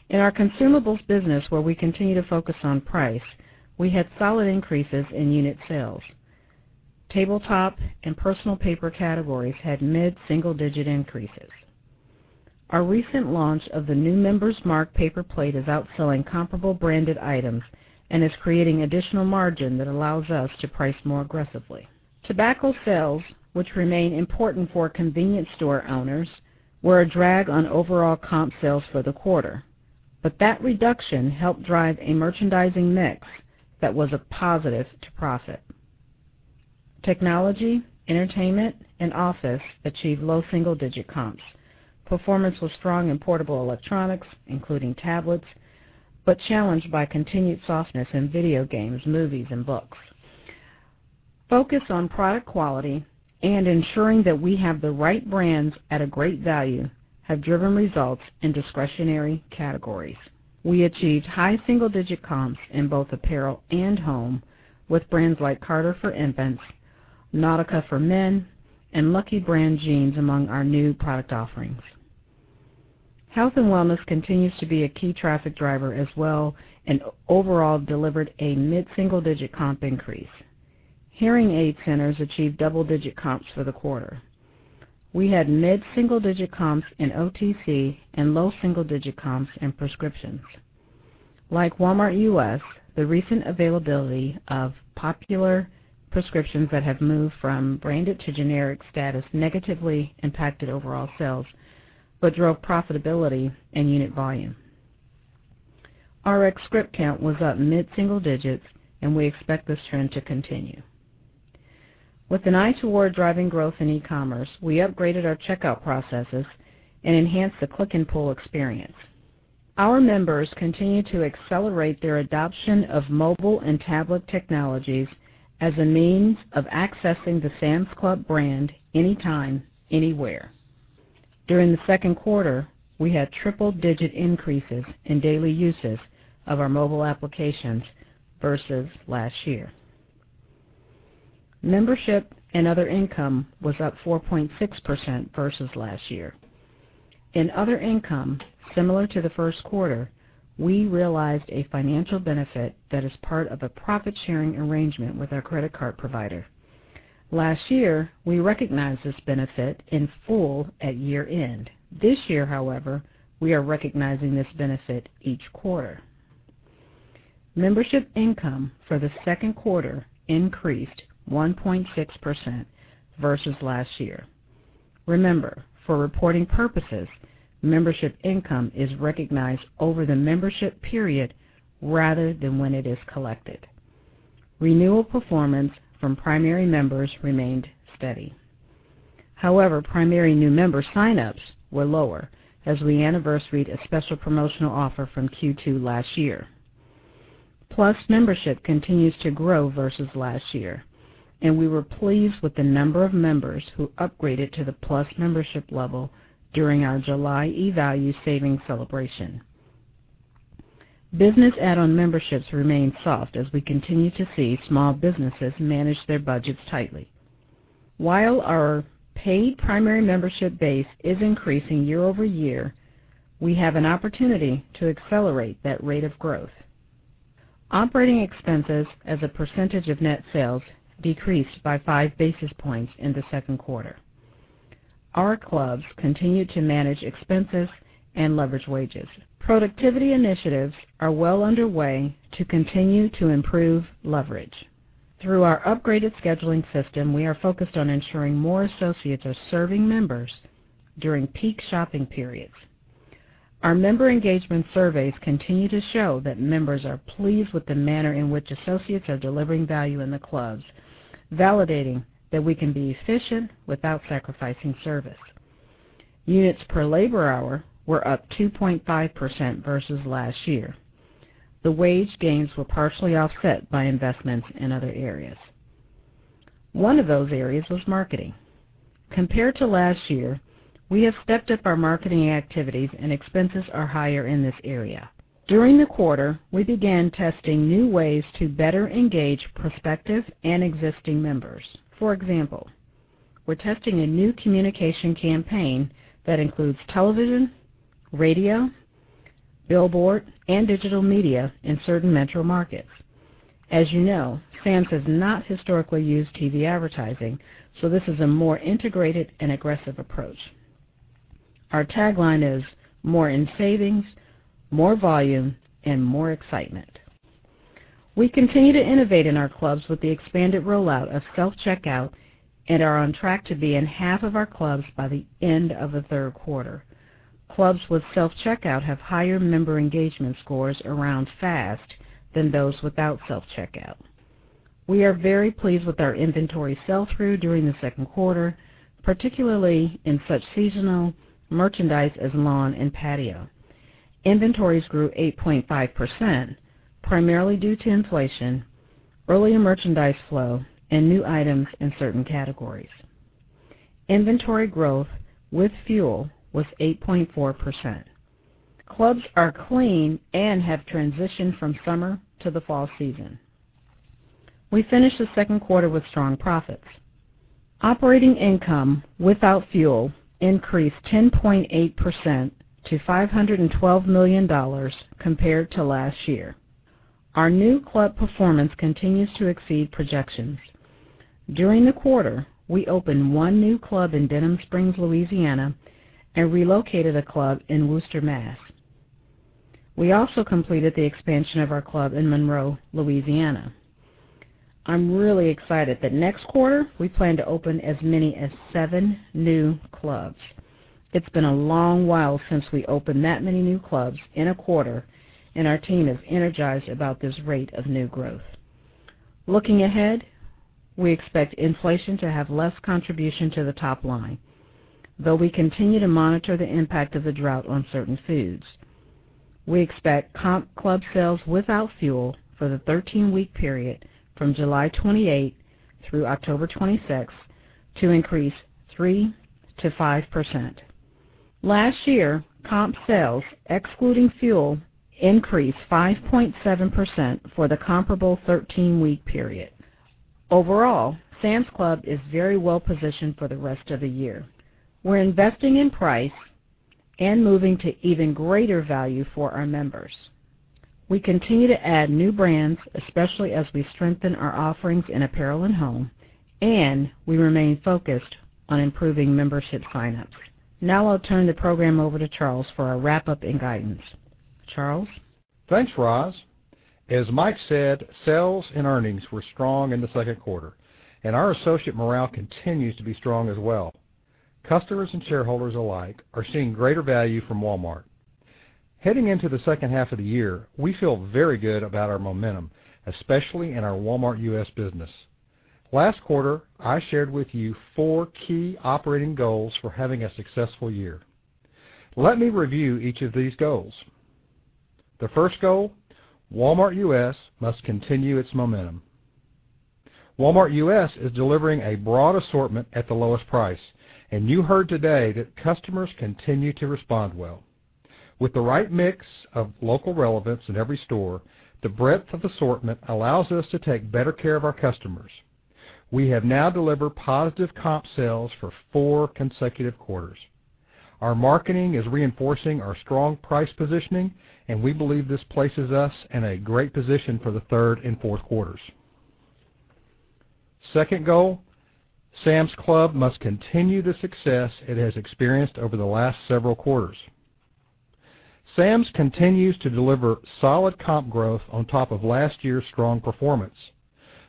In our consumables business, where we continue to focus on price, we had solid increases in unit sales. Tabletop and personal paper categories had mid-single digit increases. Our recent launch of the new Member's Mark paper plate is outselling comparable branded items and is creating additional margin that allows us to price more aggressively. Tobacco sales, which remain important for convenience store owners, were a drag on overall comp sales for the quarter. That reduction helped drive a merchandising mix that was a positive to profit. Technology, entertainment, and office achieved low double-digit comps. Performance was strong in portable electronics, including tablets, but challenged by continued softness in video games, movies, and books. Focus on product quality and ensuring that we have the right brands at a great value have driven results in discretionary categories. We achieved high single-digit comps in both apparel and home, with brands like Carter's for infants, Nautica for men, and Lucky Brand jeans among our new product offerings. Health and wellness continues to be a key traffic driver as well, and overall delivered a mid-single digit comp increase. Hearing Aid Centers achieved double-digit comps for the quarter. We had mid-single digit comps in OTC and low single digit comps in prescriptions. Like Walmart U.S., the recent availability of popular prescriptions that have moved from branded to generic status negatively impacted overall sales, but drove profitability and unit volume. RX script count was up mid-single digits, and we expect this trend to continue. With an eye toward driving growth in e-commerce, we upgraded our checkout processes and enhanced the click-and-pull experience. Our members continue to accelerate their adoption of mobile and tablet technologies as a means of accessing the Sam's Club brand anytime, anywhere. During the second quarter, we had triple-digit increases in daily usage of our mobile applications versus last year. Membership and other income was up 4.6% versus last year. In other income, similar to the first quarter, we realized a financial benefit that is part of a profit-sharing arrangement with our credit card provider. Last year, we recognized this benefit in full at year-end. This year, however, we are recognizing this benefit each quarter. Membership income for the second quarter increased 1.6% versus last year. Remember, for reporting purposes, membership income is recognized over the membership period rather than when it is collected. Renewal performance from primary members remained steady. However, primary new member sign-ups were lower as we anniversaried a special promotional offer from Q2 last year. Plus membership continues to grow versus last year, and we were pleased with the number of members who upgraded to the Plus membership level during our July eValues Savings Celebration. Business add-on memberships remain soft as we continue to see small businesses manage their budgets tightly. While our paid primary membership base is increasing year-over-year, we have an opportunity to accelerate that rate of growth. Operating expenses as a percentage of net sales decreased by five basis points in the second quarter. Our clubs continue to manage expenses and leverage wages. Productivity initiatives are well underway to continue to improve leverage. Through our upgraded scheduling system, we are focused on ensuring more associates are serving members during peak shopping periods. Our member engagement surveys continue to show that members are pleased with the manner in which associates are delivering value in the clubs, validating that we can be efficient without sacrificing service. Units per labor hour were up 2.5% versus last year. The wage gains were partially offset by investments in other areas. One of those areas was marketing. Compared to last year, we have stepped up our marketing activities, and expenses are higher in this area. During the quarter, we began testing new ways to better engage prospective and existing members. For example, we're testing a new communication campaign that includes television, radio, billboard, and digital media in certain metro markets. As you know, Sam's has not historically used TV advertising, so this is a more integrated and aggressive approach. Our tagline is, "More in savings, more volume, and more excitement." We continue to innovate in our clubs with the expanded rollout of self-checkout and are on track to be in half of our clubs by the end of the third quarter. Clubs with self-checkout have higher member engagement scores around Fast than those without self-checkout. We are very pleased with our inventory sell-through during the second quarter, particularly in such seasonal merchandise as lawn and patio. Inventories grew 8.5%, primarily due to inflation, earlier merchandise flow, and new items in certain categories. Inventory growth with fuel was 8.4%. Clubs are clean and have transitioned from summer to the fall season. We finished the second quarter with strong profits. Operating income without fuel increased 10.8% to $512 million compared to last year. Our new club performance continues to exceed projections. During the quarter, we opened one new club in Denham Springs, Louisiana, and relocated a club in Worcester, Mass. We also completed the expansion of our club in Monroe, Louisiana. I'm really excited that next quarter we plan to open as many as seven new clubs. It's been a long while since we opened that many new clubs in a quarter, and our team is energized about this rate of new growth. Looking ahead, we expect inflation to have less contribution to the top line. Though we continue to monitor the impact of the drought on certain foods, we expect comp club sales without fuel for the 13-week period from July 28 through October 26 to increase 3%-5%. Last year, comp sales, excluding fuel, increased 5.7% for the comparable 13-week period. Overall, Sam's Club is very well-positioned for the rest of the year. We're investing in price and moving to even greater value for our members. We continue to add new brands, especially as we strengthen our offerings in apparel and home, and we remain focused on improving membership sign-ups. Now I'll turn the program over to Charles for our wrap-up and guidance. Charles? Thanks, Roz. As Mike said, sales and earnings were strong in the second quarter, and our associate morale continues to be strong as well. Customers and shareholders alike are seeing greater value from Walmart. Heading into the second half of the year, we feel very good about our momentum, especially in our Walmart U.S. business. Last quarter, I shared with you four key operating goals for having a successful year. Let me review each of these goals. The first goal, Walmart U.S. must continue its momentum. Walmart U.S. is delivering a broad assortment at the lowest price, and you heard today that customers continue to respond well. With the right mix of local relevance in every store, the breadth of assortment allows us to take better care of our customers. We have now delivered positive comp sales for four consecutive quarters. Our marketing is reinforcing our strong price positioning, and we believe this places us in a great position for the third and fourth quarters. Second goal, Sam's Club must continue the success it has experienced over the last several quarters. Sam's continues to deliver solid comp growth on top of last year's strong performance.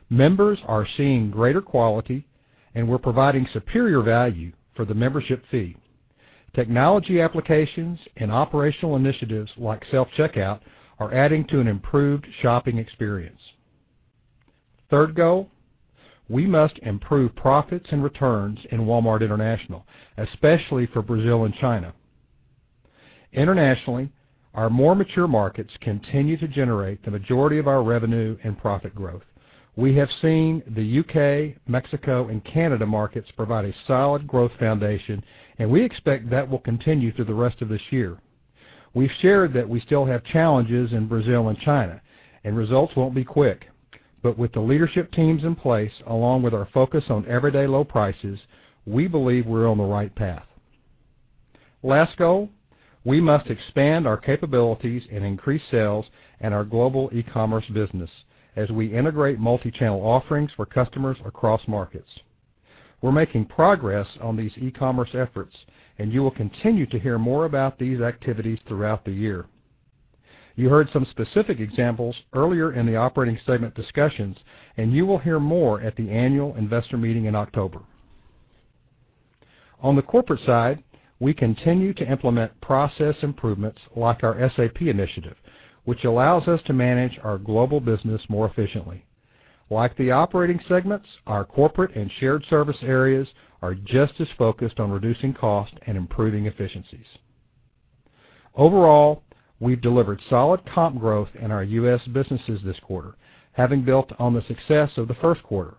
Members are seeing greater quality, and we're providing superior value for the membership fee. Technology applications and operational initiatives like self-checkout are adding to an improved shopping experience. Third goal, we must improve profits and returns in Walmart International, especially for Brazil and China. Internationally, our more mature markets continue to generate the majority of our revenue and profit growth. We have seen the U.K., Mexico, and Canada markets provide a solid growth foundation, and we expect that will continue through the rest of this year. We've shared that we still have challenges in Brazil and China, and results won't be quick. With the leadership teams in place, along with our focus on everyday low prices, we believe we're on the right path. Last goal, we must expand our capabilities and increase sales in our global e-commerce business as we integrate multi-channel offerings for customers across markets. We're making progress on these e-commerce efforts, and you will continue to hear more about these activities throughout the year. You heard some specific examples earlier in the operating segment discussions, and you will hear more at the annual investor meeting in October. On the corporate side, we continue to implement process improvements like our SAP initiative, which allows us to manage our global business more efficiently. Like the operating segments, our corporate and shared service areas are just as focused on reducing cost and improving efficiencies. Overall, we've delivered solid comp growth in our U.S. businesses this quarter, having built on the success of the first quarter.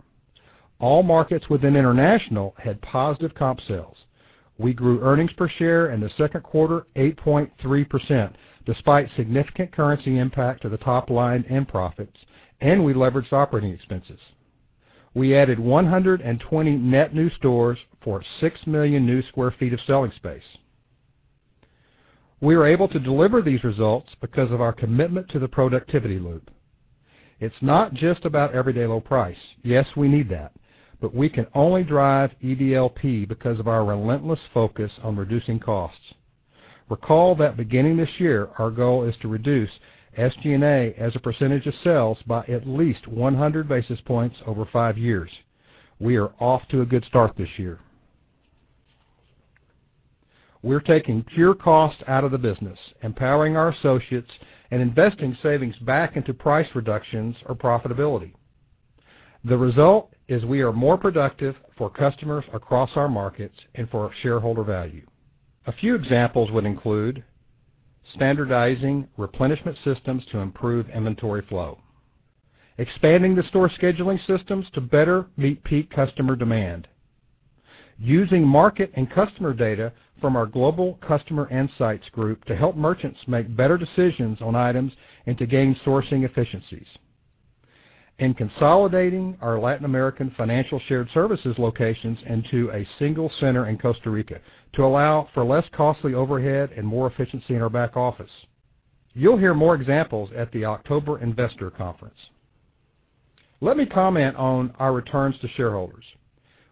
All markets within International had positive comp sales. We grew earnings per share in the second quarter 8.3%, despite significant currency impact to the top line and profits, and we leveraged operating expenses. We added 120 net new stores for 6 million new square feet of selling space. We were able to deliver these results because of our commitment to the productivity loop. It's not just about everyday low price. Yes, we need that, but we can only drive EDLP because of our relentless focus on reducing costs. Recall that beginning this year, our goal is to reduce SG&A as a percentage of sales by at least 100 basis points over 5 years. We are off to a good start this year. We're taking pure cost out of the business, empowering our associates, and investing savings back into price reductions or profitability. The result is we are more productive for customers across our markets and for shareholder value. A few examples would include standardizing replenishment systems to improve inventory flow, expanding the store scheduling systems to better meet peak customer demand, using market and customer data from our global customer insights group to help merchants make better decisions on items and to gain sourcing efficiencies, and consolidating our Latin American financial shared services locations into a single center in Costa Rica to allow for less costly overhead and more efficiency in our back office. You'll hear more examples at the October investor conference. Let me comment on our returns to shareholders.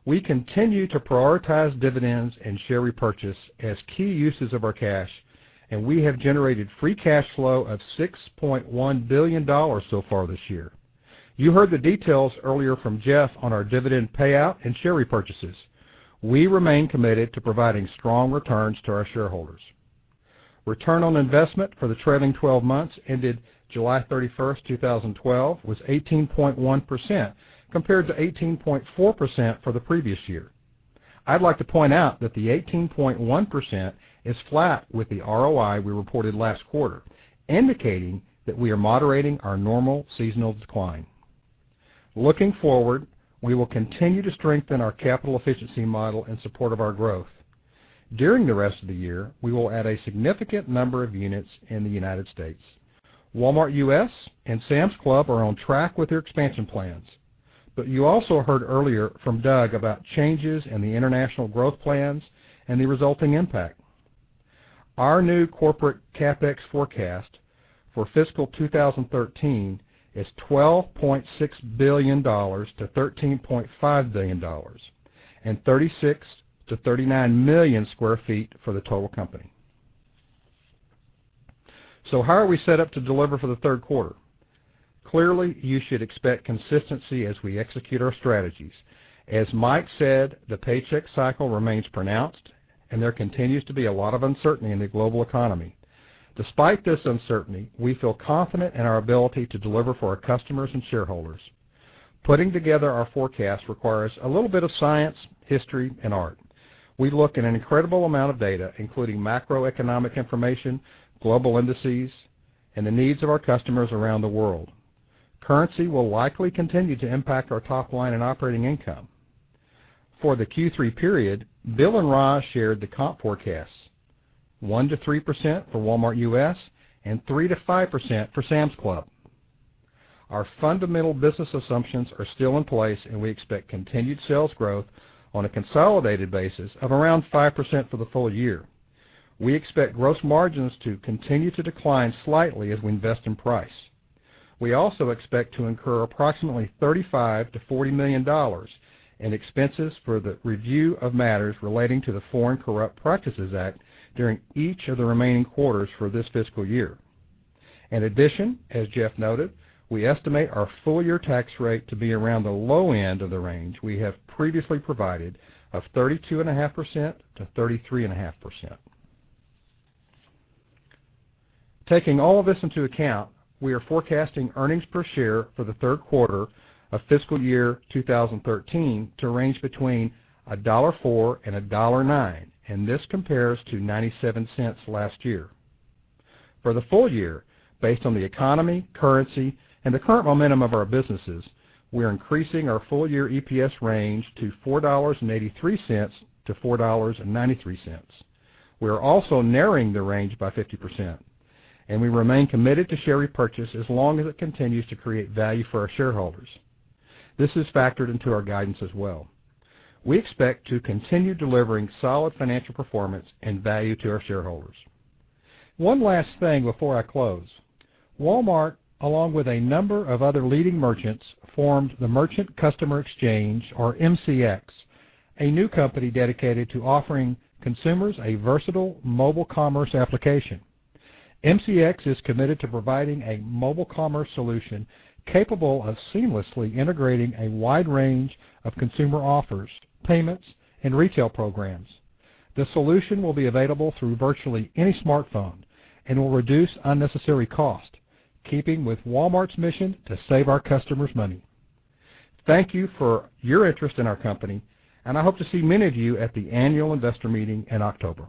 We continue to prioritize dividends and share repurchase as key uses of our cash, and we have generated free cash flow of $6.1 billion so far this year. You heard the details earlier from Jeff on our dividend payout and share repurchases. We remain committed to providing strong returns to our shareholders. Return on investment for the trailing 12 months ended July 31, 2012, was 18.1% compared to 18.4% for the previous year. I'd like to point out that the 18.1% is flat with the ROI we reported last quarter, indicating that we are moderating our normal seasonal decline. Looking forward, we will continue to strengthen our capital efficiency model in support of our growth. During the rest of the year, we will add a significant number of units in the U.S. Walmart U.S. and Sam's Club are on track with their expansion plans. You also heard earlier from Doug about changes in the International growth plans and the resulting impact. Our new corporate CapEx forecast for fiscal 2013 is $12.6 billion-$13.5 billion and 36 million-39 million square feet for the total company. How are we set up to deliver for the third quarter? Clearly, you should expect consistency as we execute our strategies. As Mike said, the paycheck cycle remains pronounced and there continues to be a lot of uncertainty in the global economy. Despite this uncertainty, we feel confident in our ability to deliver for our customers and shareholders. Putting together our forecast requires a little bit of science, history, and art. We look at an incredible amount of data, including macroeconomic information, global indices, and the needs of our customers around the world. Currency will likely continue to impact our top line and operating income. For the Q3 period, Bill and Roz shared the comp forecasts, 1%-3% for Walmart U.S. and 3%-5% for Sam's Club. Our fundamental business assumptions are still in place, we expect continued sales growth on a consolidated basis of around 5% for the full year. We expect gross margins to continue to decline slightly as we invest in price. We also expect to incur approximately $35 million-$40 million in expenses for the review of matters relating to the Foreign Corrupt Practices Act during each of the remaining quarters for this fiscal year. In addition, as Jeff noted, we estimate our full-year tax rate to be around the low end of the range we have previously provided of 32.5%-33.5%. Taking all of this into account, we are forecasting earnings per share for the third quarter of fiscal year 2013 to range between $1.04 and $1.09. This compares to $0.97 last year. For the full year, based on the economy, currency, and the current momentum of our businesses, we're increasing our full-year EPS range to $4.83-$4.93. We're also narrowing the range by 50%. We remain committed to share repurchase as long as it continues to create value for our shareholders. This is factored into our guidance as well. We expect to continue delivering solid financial performance and value to our shareholders. One last thing before I close. Walmart, along with a number of other leading merchants, formed the Merchant Customer Exchange, or MCX, a new company dedicated to offering consumers a versatile mobile commerce application. MCX is committed to providing a mobile commerce solution capable of seamlessly integrating a wide range of consumer offers, payments, and retail programs. The solution will be available through virtually any smartphone and will reduce unnecessary cost, keeping with Walmart's mission to save our customers money. Thank you for your interest in our company, and I hope to see many of you at the annual investor meeting in October.